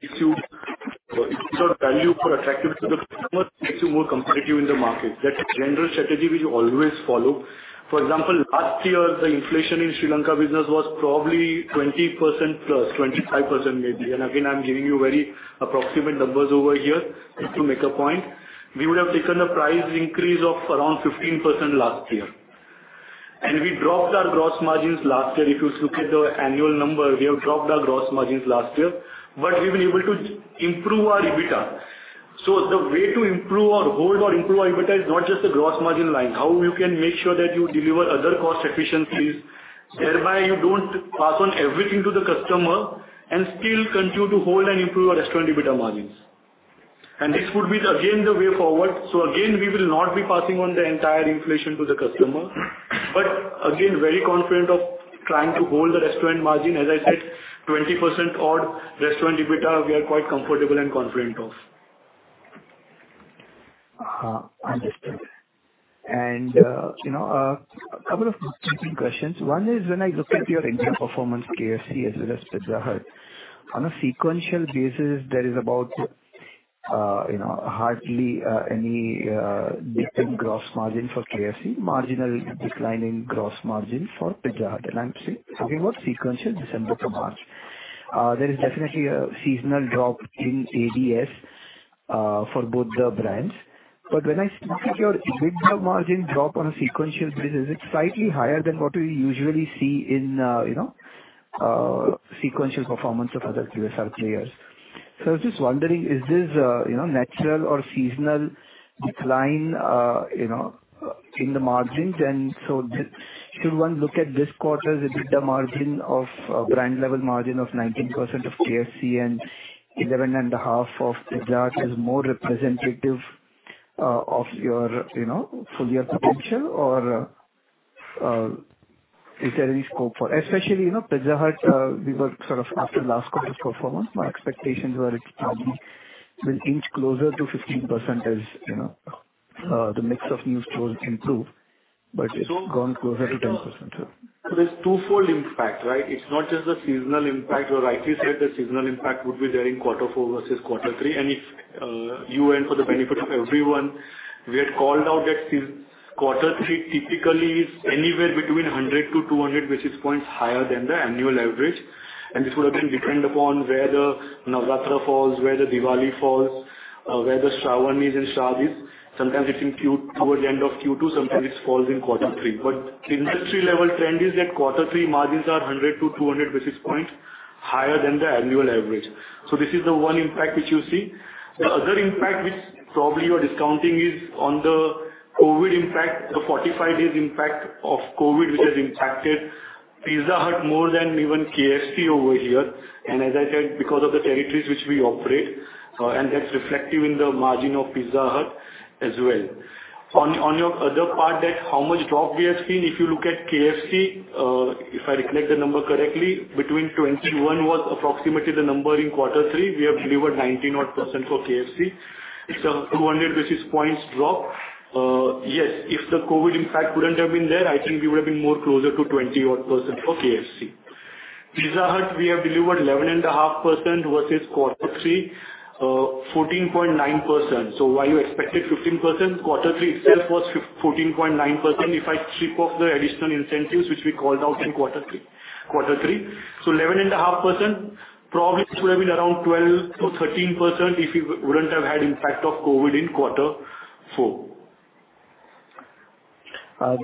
If it's not value, it's attractive to the customer, it makes you more competitive in the market. That's a general strategy which we always follow. For example, last year the inflation in Sri Lanka business was probably 20%+, 25% maybe. I'm giving you very approximate numbers over here just to make a point. We would have taken a price increase of around 15% last year. We dropped our gross margins last year. If you look at the annual number, we have dropped our gross margins last year, but we've been able to improve our EBITDA. The way to improve or hold or improve our EBITDA is not just the gross margin line. How you can make sure that you deliver other cost efficiencies, thereby you don't pass on everything to the customer and still continue to hold and improve our restaurant EBITDA margins. This would be again the way forward. Again, we will not be passing on the entire inflation to the customer. Again, very confident of trying to hold the restaurant margin. As I said, 20% odd restaurant EBITDA we are quite comfortable and confident of. Understood. You know, a couple of different questions. One is when I look at your India performance, KFC as well as Pizza Hut. On a sequential basis, there is about, you know, hardly any difference in gross margin for KFC. Marginal decline in gross margin for Pizza Hut. I'm talking about sequential December to March. There is definitely a seasonal drop in ADS for both the brands. When I look at your EBITDA margin drop on a sequential basis, it's slightly higher than what we usually see in, you know, sequential performance of other QSR players. I was just wondering, is this, you know, natural or seasonal decline, you know, in the margins? Should one look at this quarter's EBITDA margin of brand level margin of 19% of KFC and 11.5% of Pizza Hut is more representative of your you know full year potential or is there any scope for especially you know Pizza Hut we were sort of after last quarter's performance my expectations were it probably will inch closer to 15% as you know the mix of new stores improve but it's gone closer to 10%. There's twofold impact, right? It's not just the seasonal impact. You rightly said the seasonal impact would be there in quarter four versus quarter three. For the benefit of everyone, we had called out that quarter three typically is anywhere between 100-200 basis points higher than the annual average. This would have been dependent upon where the Navratri falls, where the Diwali falls, where the Shravan and Shadis is. Sometimes it's towards the end of Q2, sometimes it falls in quarter three. The industry level trend is that quarter three margins are 100-200 basis points higher than the annual average. This is the one impact which you see. The other impact which probably you're discounting is on the COVID impact, the 45 days impact of COVID, which has impacted Pizza Hut more than even KFC over here. As I said, because of the territories which we operate, and that's reflective in the margin of Pizza Hut as well. On your other point that how much drop we have seen. If you look at KFC, if I recollect the number correctly, 21 was approximately the number in quarter three. We have delivered 19 odd percent for KFC. It's a 200 basis points drop. Yes, if the COVID impact wouldn't have been there, I think we would have been more closer to 20 odd percent for KFC. Pizza Hut, we have delivered 11.5% versus quarter three, 14.9%. While you expected 15%, quarter three itself was 14.9% if I strip off the additional incentives which we called out in quarter three. 11.5% probably should have been around 12%-13% if we wouldn't have had impact of COVID in quarter four.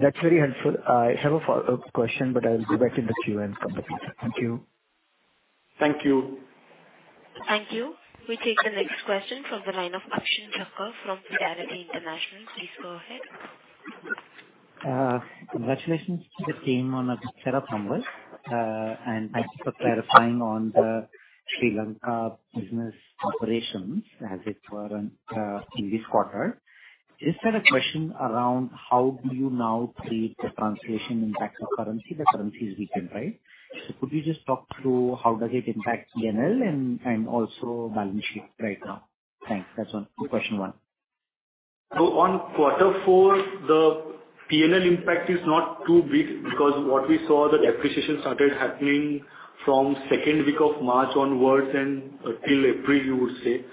That's very helpful. I have a follow-up question, but I'll go back in the queue and come back later. Thank you. Thank you. Thank you. We take the next question from the line of Akshen Thakkar from Fidelity International. Please go ahead. Congratulations to the team on a good set of numbers. Thanks for clarifying on the Sri Lanka business operations as it were in this quarter. Just had a question around how do you now treat the translation impact of currency? The currency is weakened, right? Could you just talk through how does it impact P&L and also balance sheet right now? Thanks. That's on question one. On quarter four, the P&L impact is not too big because what we saw the depreciation started happening from second week of March onwards and till April, you would say.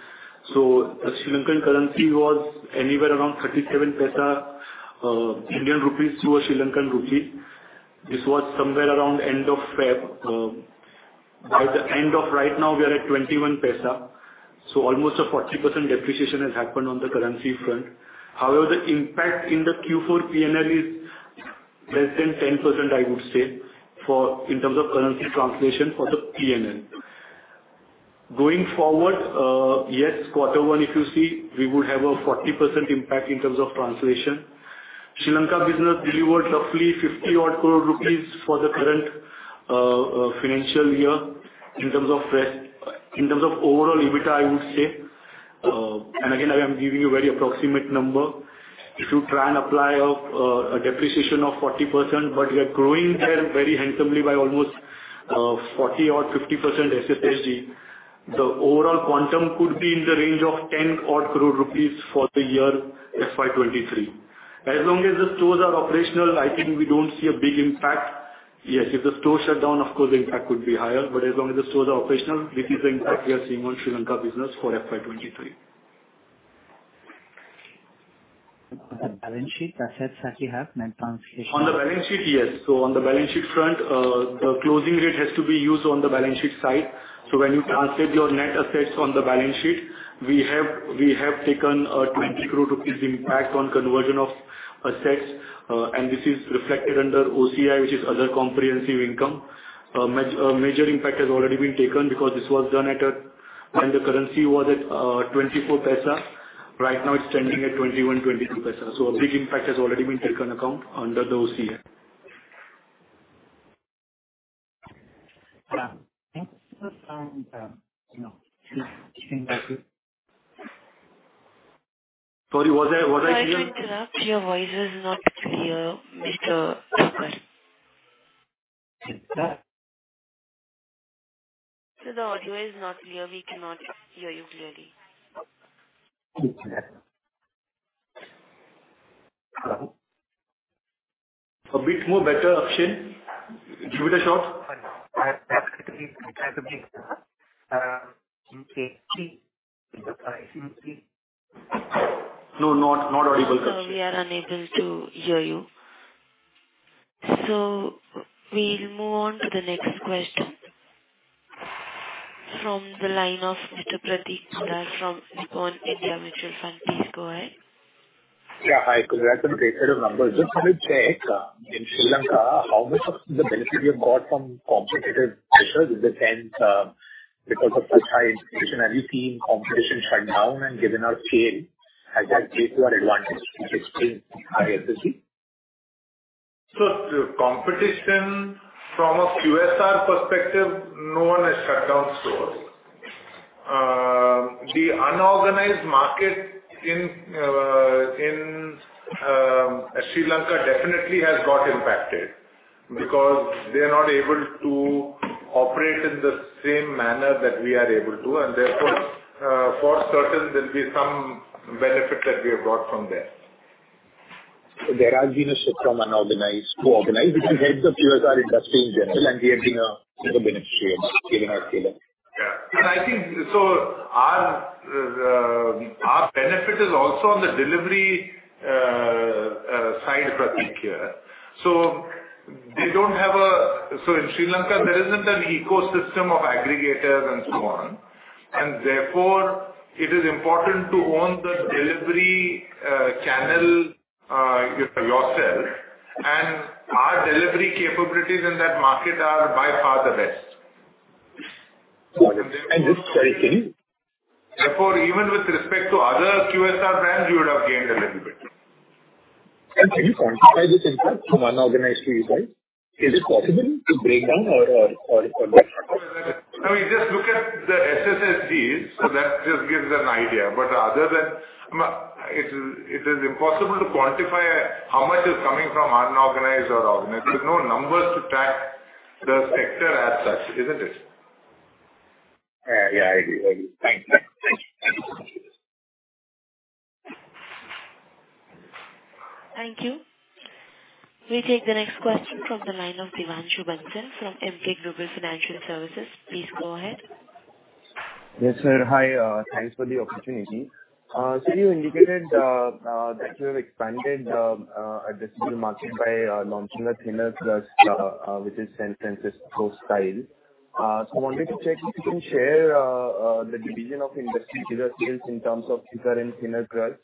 The Sri Lankan currency was anywhere around 0.37 Indian rupees to a Sri Lankan rupee. This was somewhere around end of February. By now we are at 0.21, so almost a 40% depreciation has happened on the currency front. However, the impact in the Q4 P&L is less than 10% I would say in terms of currency translation for the P&L. Going forward, quarter one if you see, we would have a 40% impact in terms of translation. Sri Lanka business delivered roughly 50-odd crore rupees for the current financial year in terms of revenue, in terms of overall EBITDA, I would say. And again, I am giving you a very approximate number. If you try and apply a depreciation of 40%, but we are growing there very handsomely by almost 40% or 50% SSSG. The overall quantum could be in the range of 10 crore rupees for the year FY 2023. As long as the stores are operational, I think we don't see a big impact. Yes, if the stores shut down, of course the impact would be higher, but as long as the stores are operational, this is the impact we are seeing on Sri Lanka business for FY 2023. On the balance sheet, assets that you have net translation. On the balance sheet, yes. On the balance sheet front, the closing rate has to be used on the balance sheet side. When you translate your net assets on the balance sheet, we have taken an 20 crore rupees impact on conversion of assets. And this is reflected under OCI, which is other comprehensive income. A major impact has already been taken because this was done when the currency was at 0.24. Right now it's trending at 0.21-0.22. A big impact has already been taken into account under the OCI. Yeah. Thanks for the time, and you know. Sorry was I clear? Sorry to interrupt. Your voice is not clear, Mr. Thakkar. Like that? Sir, the audio is not clear. We cannot hear you clearly. Okay. A bit more better, Akshen? Give it a shot. No, not audible. Sir, we are unable to hear you. We'll move on to the next question from the line of Mr. Prateek Poddar from Nippon India Mutual Fund. Please go ahead. Yeah. Hi. Congrats on a great set of numbers. Just wanted to check in Sri Lanka, how much of the benefit you have got from competitive pressures? To the extent, because of such high inflation, have you seen competition shut down and given up share? Has that played to our advantage, which explains the high FMC? Competition from a QSR perspective, no one has shut down stores. The unorganized market in Sri Lanka definitely has got impacted because they're not able to operate in the same manner that we are able to, and therefore, for certain there'll be some benefit that we have got from there. There has been a shift from unorganized to organized, which helps the QSR industry in general, and we have been a beneficiary of it, scaling our scale up. Yeah. I think our benefit is also on the delivery side, Prateek, here. In Sri Lanka, there isn't an ecosystem of aggregators and so on, and therefore it is important to own the delivery channel yourself, and our delivery capabilities in that market are by far the best. This very thing. Therefore, even with respect to other QSR brands, you would have gained a little bit. Can you quantify this impact from unorganized to organized? Is it possible to break down or [equal what]? I mean, just look at the SSSGs, so that just gives an idea. Other than, I mean, it is impossible to quantify how much is coming from unorganized or organized. There's no numbers to track the sector as such, isn't it? Yeah. I hear you. Thank you. Thank you. We take the next question from the line of Devanshu Bansal from Emkay Global Financial Services. Please go ahead. Yes, sir. Hi. Thanks for the opportunity. You indicated that you have expanded addressable market by launching a thinner crust, which is San Francisco Style. I wanted to check if you can share the division of industry pizza sales in terms of thicker and thinner crust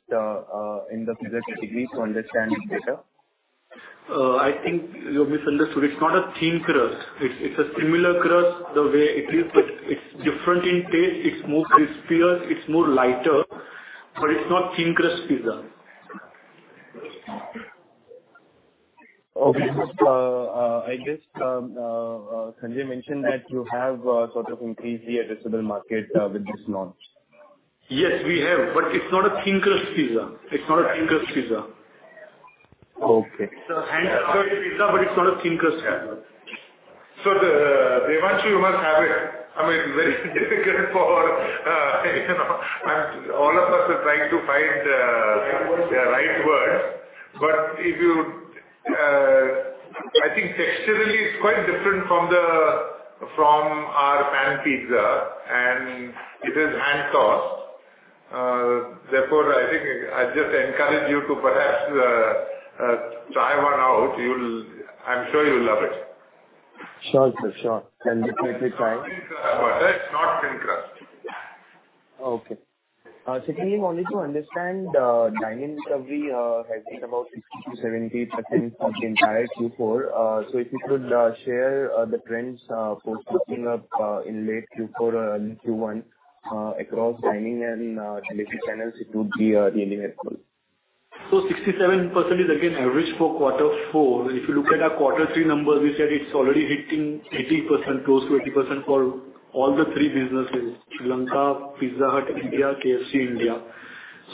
in the pizza category to understand better. I think you misunderstood. It's not a thin crust. It's a similar crust the way it is, but it's different in taste. It's more crispier, it's more lighter, but it's not thin crust pizza. Okay. I guess Sanjay mentioned that you have sort of increased the addressable market with this launch. Yes, we have, but it's not a thin crust pizza. It's not a thin crust pizza. Okay. It's a hand-tossed pizza, but it's not a thin crust pizza. Devanshu, you must have it. I mean, very difficult for, you know, and all of us are trying to find, The right words. If you, I think texturally it's quite different from our pan pizza, and it is hand-tossed. Therefore, I think I just encourage you to perhaps try one out. I'm sure you'll love it. Sure, sir. Sure. I'll definitely try. It's not thin crust. Okay. Sanjay Purohit, I wanted to understand, dine-in recovery has been about 60%-70% of the entire Q4. If you could share the trends post opening up in late Q4 and Q1 across dine-in and delivery channels, it would be really helpful. 67% is again average for quarter four. If you look at our quarter three numbers, we said it's already hitting 80%, close to 80% for all the three businesses, Sri Lanka, Pizza Hut India, KFC India.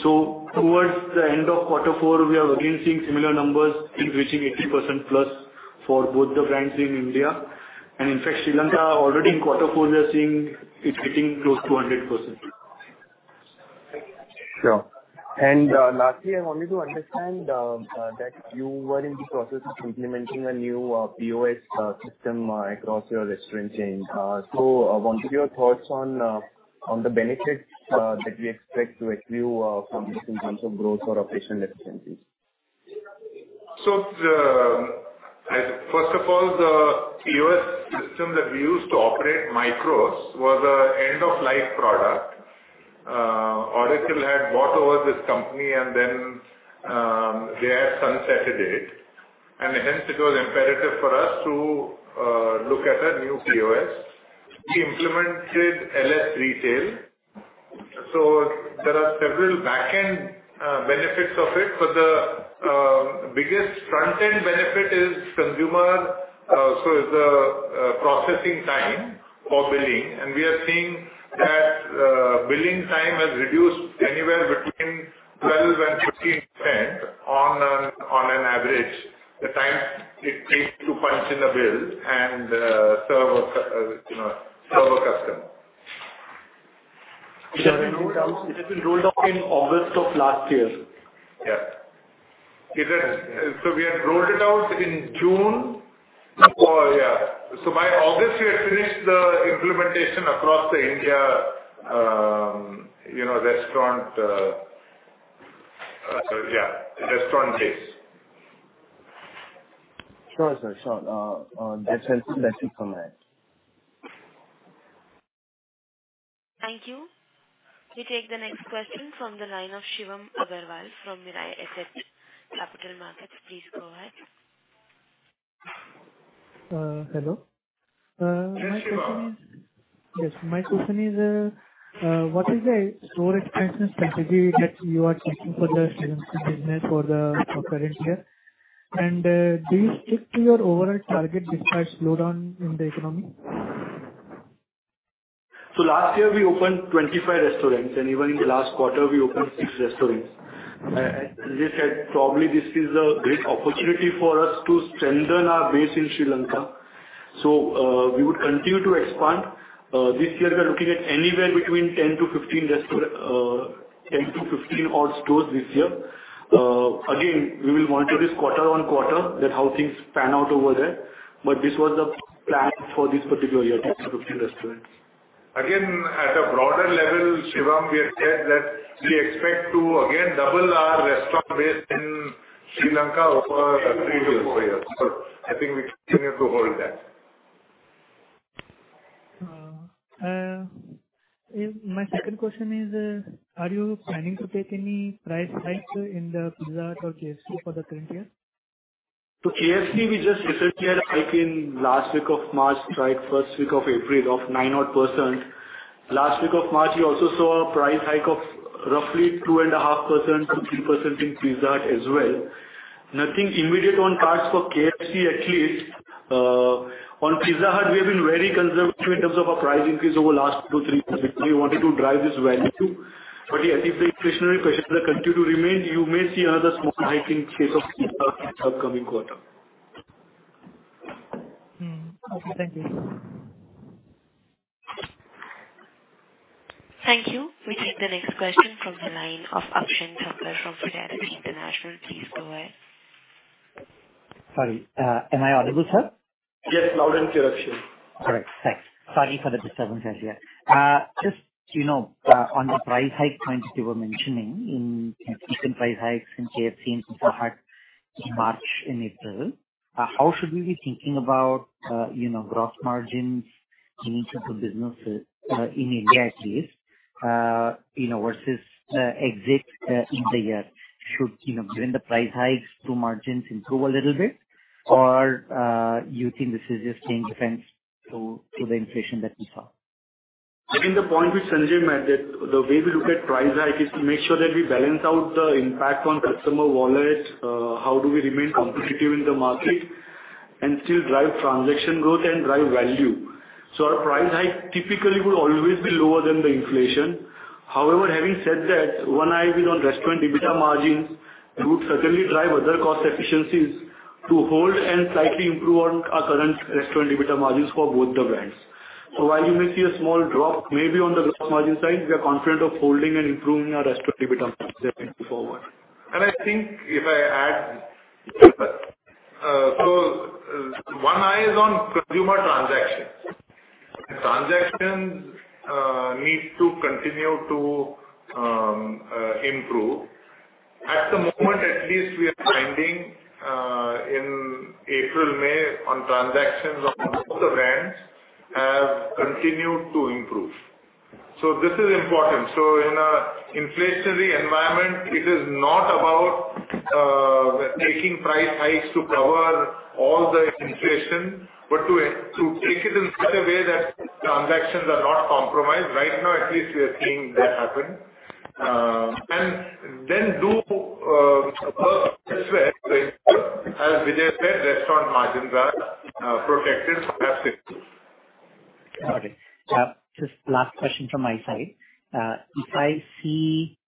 Towards the end of quarter four, we are again seeing similar numbers in reaching 80% plus for both the brands in India. In fact, Sri Lanka already in quarter four we are seeing it hitting close to 100%. Sure. Lastly, I wanted to understand that you were in the process of implementing a new POS system across your restaurant chain. Wanted your thoughts on the benefits that you expect to accrue from this in terms of growth or operational efficiencies. First of all, the POS system that we used to operate, Micros, was an end-of-life product. Oracle had bought over this company and then they had sunsetted it. Hence it was imperative for us to look at a new POS. We implemented LS Retail. There are several back-end benefits of it, but the biggest front-end benefit is the processing time for billing. We are seeing that billing time has reduced anywhere between 12%-15% on average, the time it takes to punch in a bill and serve a customer. It has been rolled out in August of last year. Yeah. We had rolled it out in June. Oh, yeah. By August we had finished the implementation across India, you know, restaurant base. Sure, sir. Sure. That's helpful. Thank you for that. Thank you. We take the next question from the line of Shivam Agarwal from Mirae Asset Capital Markets. Please go ahead. Hello. My question is. Yes, Shivam. Yes. My question is, what is the store expansion strategy that you are chasing for the Sri Lankan business for the current year? Do you stick to your overall target despite slowdown in the economy? Last year we opened 25 restaurants, and even in the last quarter we opened 6 restaurants. I probably this is a great opportunity for us to strengthen our base in Sri Lanka. We would continue to expand. This year we are looking at anywhere between 10-15 odd stores this year. Again, we will monitor this quarter-over-quarter that how things pan out over there. This was the plan for this particular year, 10-15 restaurants. Again, at a broader level, Shivam, we have said that we expect to again double our restaurant base in Sri Lanka over the three to four years. I think we continue to hold that. My second question is, are you planning to take any price hikes in the Pizza Hut or KFC for the current year? KFC, we just effectuated a hike in last week of March, right first week of April of 9 odd %. Last week of March, you also saw a price hike of roughly 2.5% to 3% in Pizza Hut as well. Nothing immediate on cards for KFC at least. On Pizza Hut, we have been very conservative in terms of our price increase over last two, three months because we wanted to drive this value. Yes, if the inflationary pressures continue to remain, you may see another small hike in case of Pizza Hut in the upcoming quarter. Okay. Thank you. Thank you. We take the next question from the line of Akshen Thakkar from Fidelity International. Please go ahead. Sorry, am I audible, sir? Yes. Loud and clear, Akshen. All right. Thanks. Sorry for the disturbance earlier. Just, you know, on the price hike point that you were mentioning in recent price hikes in KFC and Pizza Hut in March and April, how should we be thinking about, you know, gross margins in each of the businesses, in India at least, you know, versus exits in the year. Should, you know, given the price hikes do margins improve a little bit or, you think this is just a defense to the inflation that we saw? I think the point which Sanjay made that the way we look at price hike is to make sure that we balance out the impact on customer wallet, how do we remain competitive in the market and still drive transaction growth and drive value. Our price hike typically will always be lower than the inflation. However, having said that, one eye is on restaurant EBITDA margins. We would certainly drive other cost efficiencies to hold and slightly improve on our current restaurant EBITDA margins for both the brands. While you may see a small drop maybe on the gross margin side, we are confident of holding and improving our restaurant EBITDA margins going forward. I think if I add, so one eye is on consumer transactions. The transactions needs to continue to improve. At the moment, at least we are finding in April, May on transactions on both the brands have continued to improve. This is important. In an inflationary environment, it is not about taking price hikes to cover all the inflation, but to take it in such a way that transactions are not compromised. Right now, at least we are seeing that happen. And then, as Vijay said, restaurant margins are protected. Got it. Just last question from my side. If I see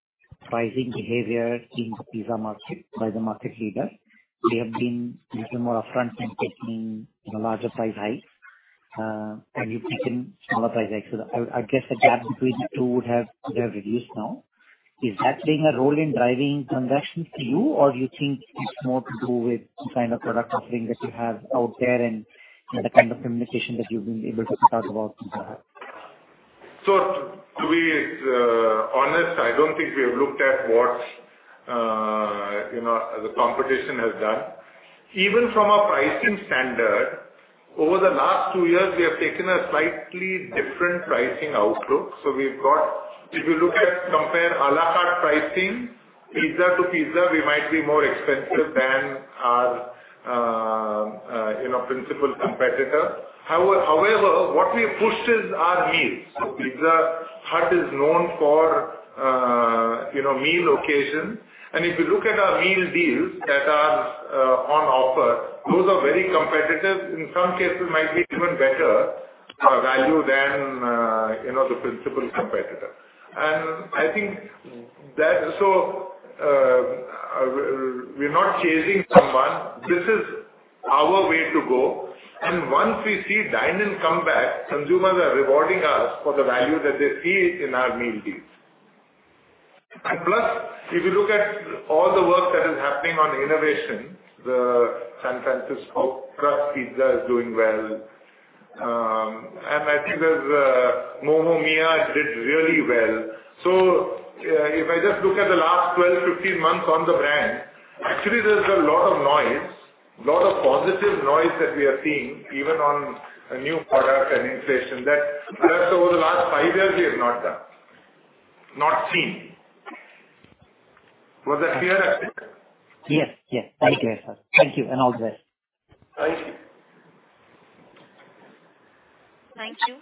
pricing behavior in the pizza market by the market leader, they have been little more upfront in taking, you know, larger price hikes, and we've taken smaller price hikes. I guess the gap between the two would have reduced now. Is that playing a role in driving transactions for you or do you think it's more to do with some kind of product offering that you have out there and the kind of communication that you've been able to talk about Pizza Hut? To be honest, I don't think we have looked at what you know, the competition has done. Even from a pricing standpoint, over the last two years we have taken a slightly different pricing outlook. We've got. If you look at comparable à la carte pricing, pizza to pizza, we might be more expensive than our principal competitor. However, what we have pushed is our meals. Pizza Hut is known for you know, meal occasion. If you look at our meal deals that are on offer, those are very competitive. In some cases might be even better value than the principal competitor. I think we're not chasing someone. This is our way to go. Once we see dine-in come back, consumers are rewarding us for the value that they see it in our meal deals. Plus, if you look at all the work that is happening on innovation, the San Francisco Style Pizza is doing well. I think there's Momo Mia did really well. If I just look at the last 12, 15 months on the brand, actually there's a lot of noise, lot of positive noise that we are seeing even on a new product and inflation that perhaps over the last five years we have not seen. Was that clear? Yes. Yes. Very clear, sir. Thank you and all the best. Thank you. Thank you.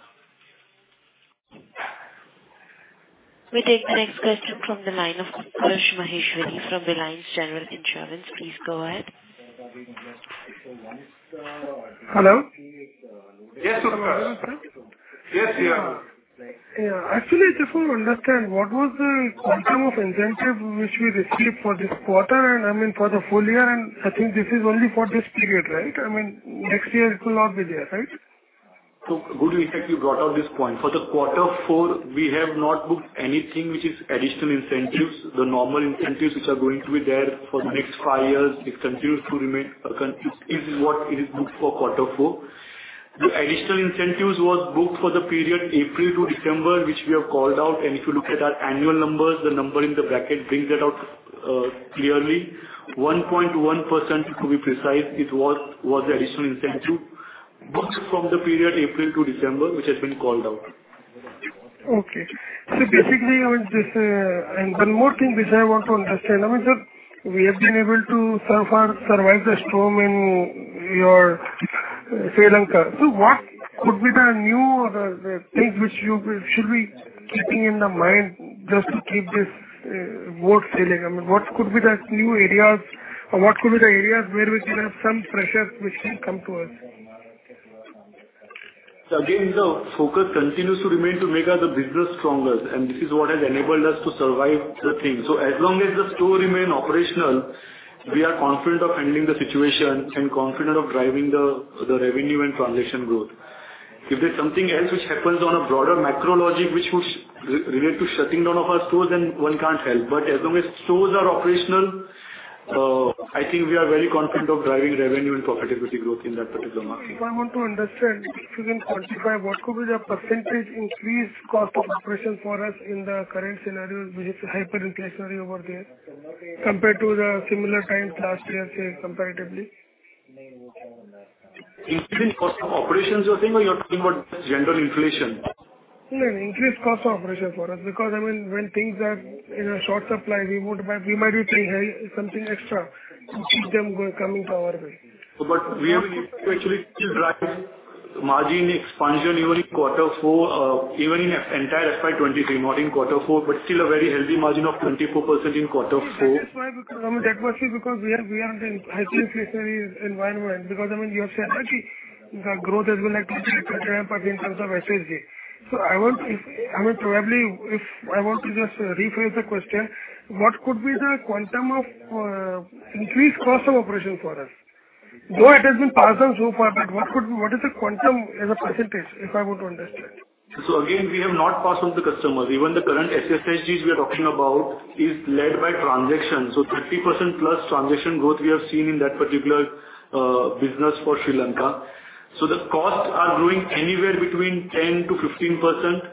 We take the next question from the line of Utkarsh Maheshwari from Reliance General Insurance. Please go ahead. Hello. Yes, Utkarsh. Hello, sir. Yes. Yeah. Yeah. Actually, I just want to understand what was the quantum of incentive which we received for this quarter, and I mean, for the full year, and I think this is only for this period, right? I mean, next year it will not be there, right? Good, in fact, you brought up this point. For the quarter four, we have not booked anything which is additional incentives. The normal incentives which are going to be there for the next five years, it continues to remain this is what it is booked for quarter four. The additional incentives was booked for the period April to December, which we have called out. If you look at our annual numbers, the number in the bracket brings that out, clearly. 1.1% to be precise, it was the additional incentive booked from the period April to December, which has been called out. Okay. Basically, I mean, one more thing which I want to understand. I mean, sir, we have been able to so far survive the storm in your Sri Lanka. What could be the new things which you should be keeping in mind just to keep this boat sailing? I mean, what could be the new areas or what could be the areas where we could have some pressures which may come to us? Again, the focus continues to remain to make our business stronger, and this is what has enabled us to survive the thing. As long as the store remain operational, we are confident of handling the situation and confident of driving the revenue and transaction growth. If there's something else which happens on a broader macro level which would relate to shutting down of our stores, then one can't help. As long as stores are operational, I think we are very confident of driving revenue and profitability growth in that particular market. If I want to understand, if you can quantify what could be the percentage increase cost of operation for us in the current scenario, which is hyperinflationary over there compared to the similar time last year, say, comparatively? Increase cost of operations you're saying or you're talking about just general inflation? No, increase cost of operation for us. Because, I mean, when things are in short supply, we would have. We might be paying something extra to keep them coming our way. We have been able to actually still drive margin expansion even in quarter four, even in the entire FY 2023, not in quarter four, but still a very healthy margin of 24% in quarter four. That is why we are in hyperinflationary environment because I mean you have said that the growth has been like in terms of SSG. I mean, probably if I want to just rephrase the question, what could be the quantum of increased cost of operation for us? Though it has been passed on so far, but what is the quantum as a percentage, if I want to understand? Again, we have not passed on to customers. Even the current SSGs we are talking about is led by transactions. 30%+ transaction growth we have seen in that particular business for Sri Lanka. The costs are growing anywhere between 10%-15%.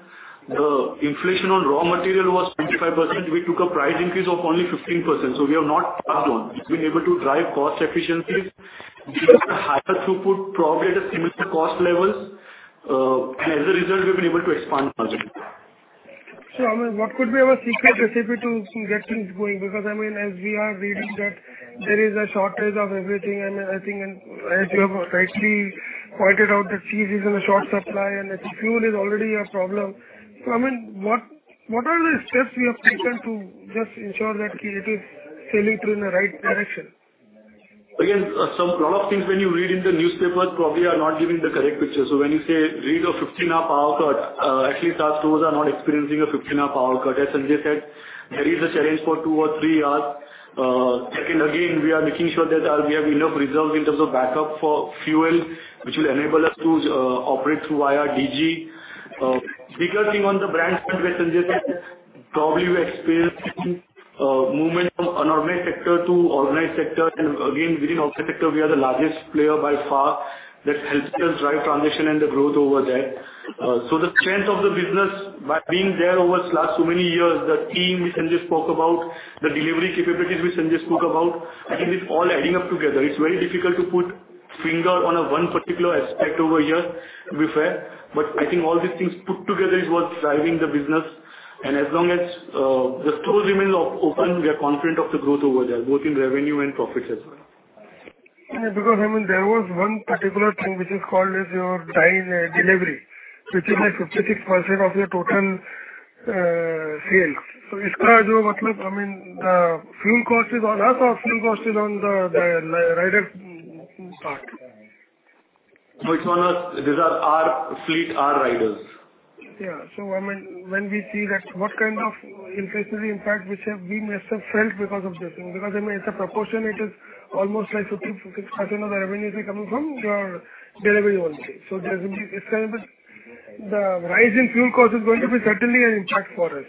The inflation on raw material was 25%. We took a price increase of only 15%, so we have not passed on. We've been able to drive cost efficiencies because of the higher throughput, probably at a similar cost levels. As a result, we've been able to expand margin. I mean, what could be our secret recipe to get things going? Because, I mean, as we are reading that there is a shortage of everything, and I think, and as you have rightly pointed out, that cheese is in short supply and fuel is already a problem. I mean, what are the steps you have taken to just ensure that it is sailing through in the right direction? Again, some, a lot of things when you read in the newspapers probably are not giving the correct picture. When you say read a 15-hour power cut, actually our stores are not experiencing a 15-hour power cut. As Sanjay said, there is a challenge for two or three hours. Second, again, we are making sure that we have enough reserves in terms of backup for fuel, which will enable us to operate through via DG. Bigger thing on the brand side, as Sanjay said, probably we experienced movement from unorganized sector to organized sector. Again, within organized sector we are the largest player by far. That helps us drive transaction and the growth over there. The strength of the business by being there over the last so many years, the team which Sanjay spoke about, the delivery capabilities which Sanjay spoke about, I think it's all adding up together. It's very difficult to put finger on a one particular aspect over here, to be fair. I think all these things put together is what's driving the business. As long as the stores remain open, we are confident of the growth over there, both in revenue and profits as well. Yeah, because I mean, there was one particular thing which is called as your dine-in delivery, which is like 56% of your total sales. Is this what, I mean, the fuel cost is on us or fuel cost is on the rider part? It's on us. These are our fleet, our riders. Yeah. I mean, when we see that what kind of inflationary impact we may have felt because of this. I mean, it's a proportion, it is almost like 56% of the revenue is coming from your delivery only. There's gonna be this kind of a rise in fuel cost is going to be certainly an impact for us.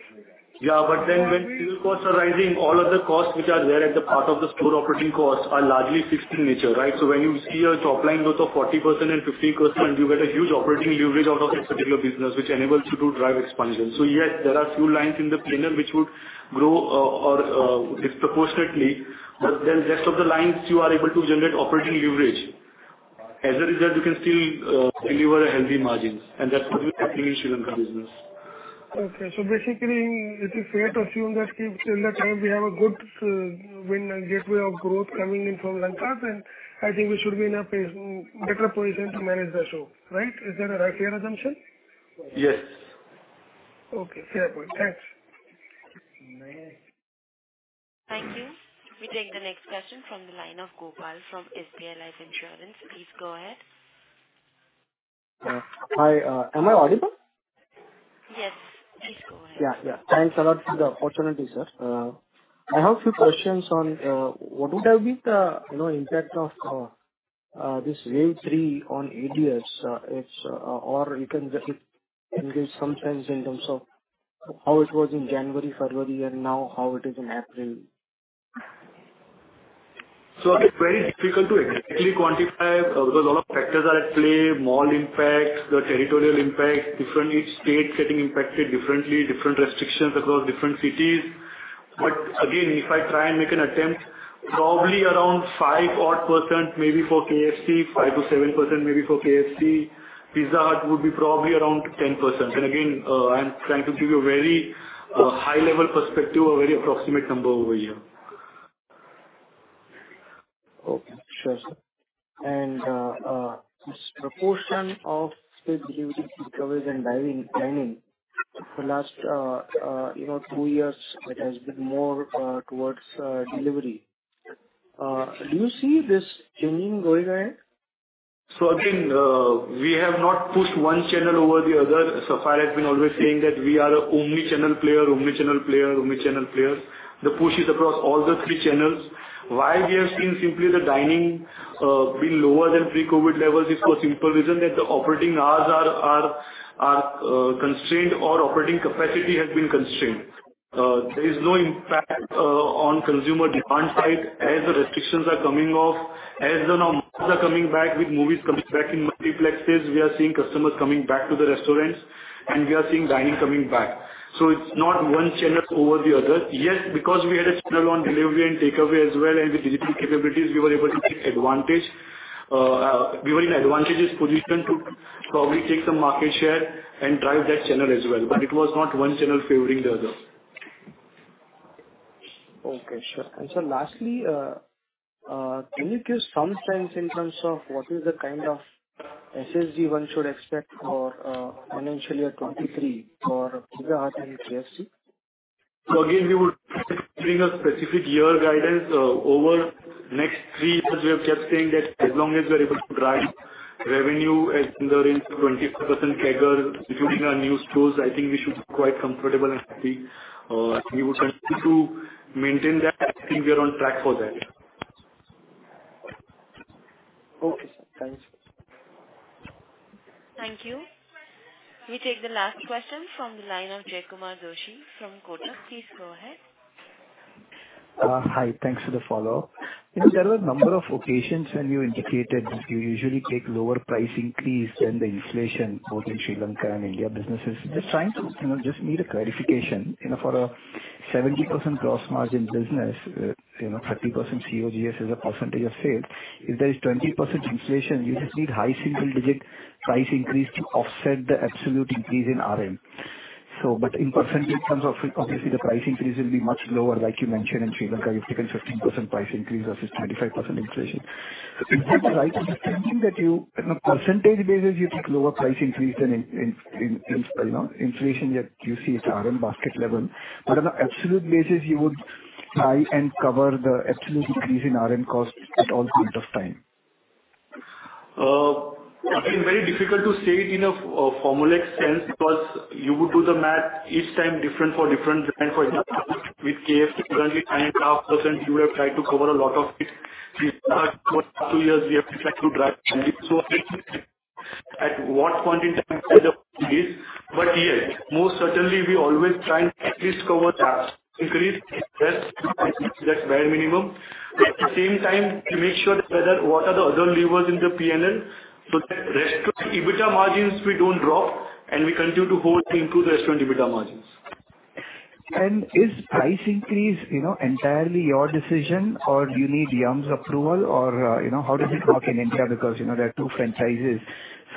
When fuel costs are rising, all other costs which are there as a part of the store operating costs are largely fixed in nature, right? When you see a top line growth of 40% and 50%, you get a huge operating leverage out of this particular business which enables you to drive expansion. Yes, there are few lines in the P&L which would grow or disproportionately. Rest of the lines you are able to generate operating leverage. As a result, we can still deliver a healthy margins, and that's what we have seen in Sri Lanka business. Okay. Basically, is it fair to assume that till the time we have a good win and gateway of growth coming in from Lanka, then I think we should be in a place, better position to manage the show, right? Is that a fair assumption? Yes. Okay. Fair point. Thanks. Thank you. We take the next question from the line of Gopal from SBI Life Insurance. Please go ahead. Hi. Am I audible? Yes. Please go ahead. Yeah, yeah. Thanks a lot for the opportunity, sir. I have a few questions on what would have been the, you know, impact of this wave three on ADS, or you can give some sense in terms of how it was in January, February, and now how it is in April. It's very difficult to exactly quantify because a lot of factors are at play. Mall impact, the territorial impact, different each state getting impacted differently, different restrictions across different cities. Again, if I try and make an attempt, probably around 5 odd percent maybe for KFC, 5%-7% maybe for KFC. Pizza Hut would be probably around 10%. Again, I'm trying to give you a very high level perspective or very approximate number over here. Okay. Sure, sir. This proportion of quick delivery, pick up, and dine-in for last you know two years it has been more towards delivery. Do you see this changing going ahead? Again, we have not pushed one channel over the other. As far I has been always saying that we are a omni-channel player, omni-channel player, omni-channel player. The push is across all the three channels. Why we have seen simply the dining being lower than pre-COVID levels is for simple reason that the operating hours are constrained or operating capacity has been constrained. There is no impact on consumer demand side as the restrictions are coming off. As the norms are coming back with movies coming back in multiplexes, we are seeing customers coming back to the restaurants and we are seeing dining coming back. It's not one channel over the other. Yes, because we had a channel on delivery and takeaway as well, and with digital capabilities we were able to take advantage. We were in advantageous position to probably take some market share and drive that channel as well, but it was not one channel favoring the other. Okay. Sure. Sir, lastly, can you give some sense in terms of what is the kind of SSG one should expect for financial year 2023 for Pizza Hut and KFC? Again, we would not be giving a specific year guidance. Over next three years we have kept saying that as long as we are able to drive revenue at in the range of 25% CAGR, including our new stores, I think we should be quite comfortable and happy. We would continue to maintain that. I think we are on track for that. Okay, sir. Thanks. Thank you. We take the last question from the line of Jaykumar Doshi from Kotak. Please go ahead. Hi. Thanks for the follow-up. You know, there were a number of occasions when you indicated you usually take lower price increase than the inflation, both in Sri Lanka and India businesses. Just trying to, you know, just need a clarification. You know, for a 70% gross margin business, you know, 30% COGS as a percentage of sales, if there is 20% inflation, you just need high single digit price increase to offset the absolute increase in RM. But in percentage terms, obviously the price increase will be much lower. Like you mentioned in Sri Lanka, you've taken 15% price increase versus 25% inflation. Is that right? Am I thinking that you, on a percentage basis you take lower price increase than in, you know, inflation, yet you see it's RM basket level, but on a absolute basis you would try and cover the absolute increase in RM costs at all point of time? Again, very difficult to say it in a formulaic sense because you would do the math each time different for different brands. For example, with KFC currently 9.5% we would have tried to cover a lot of it. With Pizza Hut for two years we have to try to drive. So at what point in time is. But yes, most certainly we always try and at least cover the increase, yes, at least that's bare minimum. But at the same time, we make sure that whether what are the other levers in the P&L, so that restaurant EBITDA margins we don't drop and we continue to hold and improve the restaurant EBITDA margins. Is price increase, you know, entirely your decision or do you need Yum!'s approval or, you know, how does it work in India? Because, you know, there are two franchises.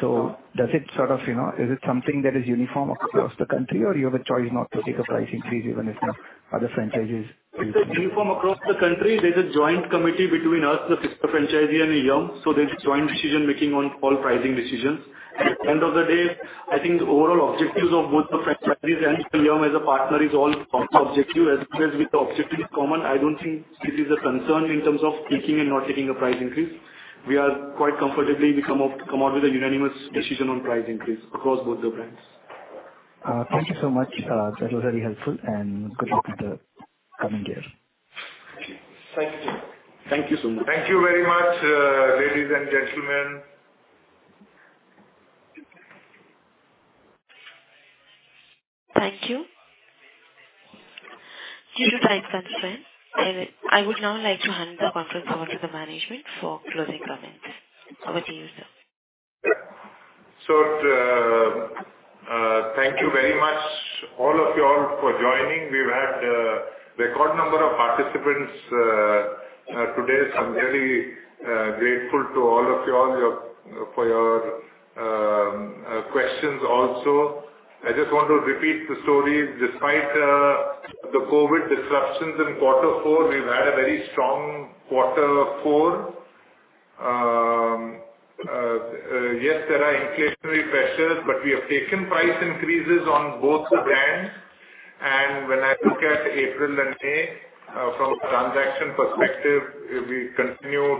Does it sort of, you know, is it something that is uniform across the country or you have a choice not to take a price increase even if the other franchises do? It's uniform across the country. There's a joint committee between us, the franchise, and Yum!, so there's a joint decision-making on all pricing decisions. At the end of the day, I think the overall objectives of both the franchisees and Yum! as a partner is all same objective. As long as the objective is common, I don't think it is a concern in terms of taking and not taking a price increase. We are quite comfortable, we come up with a unanimous decision on price increase across both the brands. Thank you so much. That was very helpful and good luck with the coming year. Thank you. Thank you so much. Thank you very much, ladies and gentlemen. Thank you. Due to time constraint, I would now like to hand the conference over to the management for closing comments. Over to you, sir. Thank you very much all of you all for joining. We've had record number of participants today, so I'm very grateful to all of you for your questions also. I just want to repeat the story. Despite the COVID disruptions in quarter four, we've had a very strong quarter four. Yes, there are inflationary pressures, but we have taken price increases on both the brands. When I look at April and May from a transaction perspective, we continue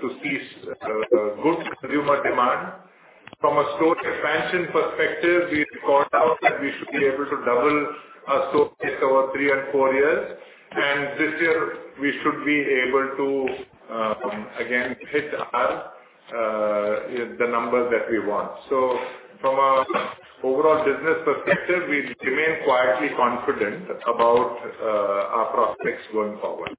to see good consumer demand. From a store expansion perspective, we've called out that we should be able to double our store base over three and four years. This year we should be able to again hit our numbers that we want. From an overall business perspective, we remain quietly confident about our prospects going forward.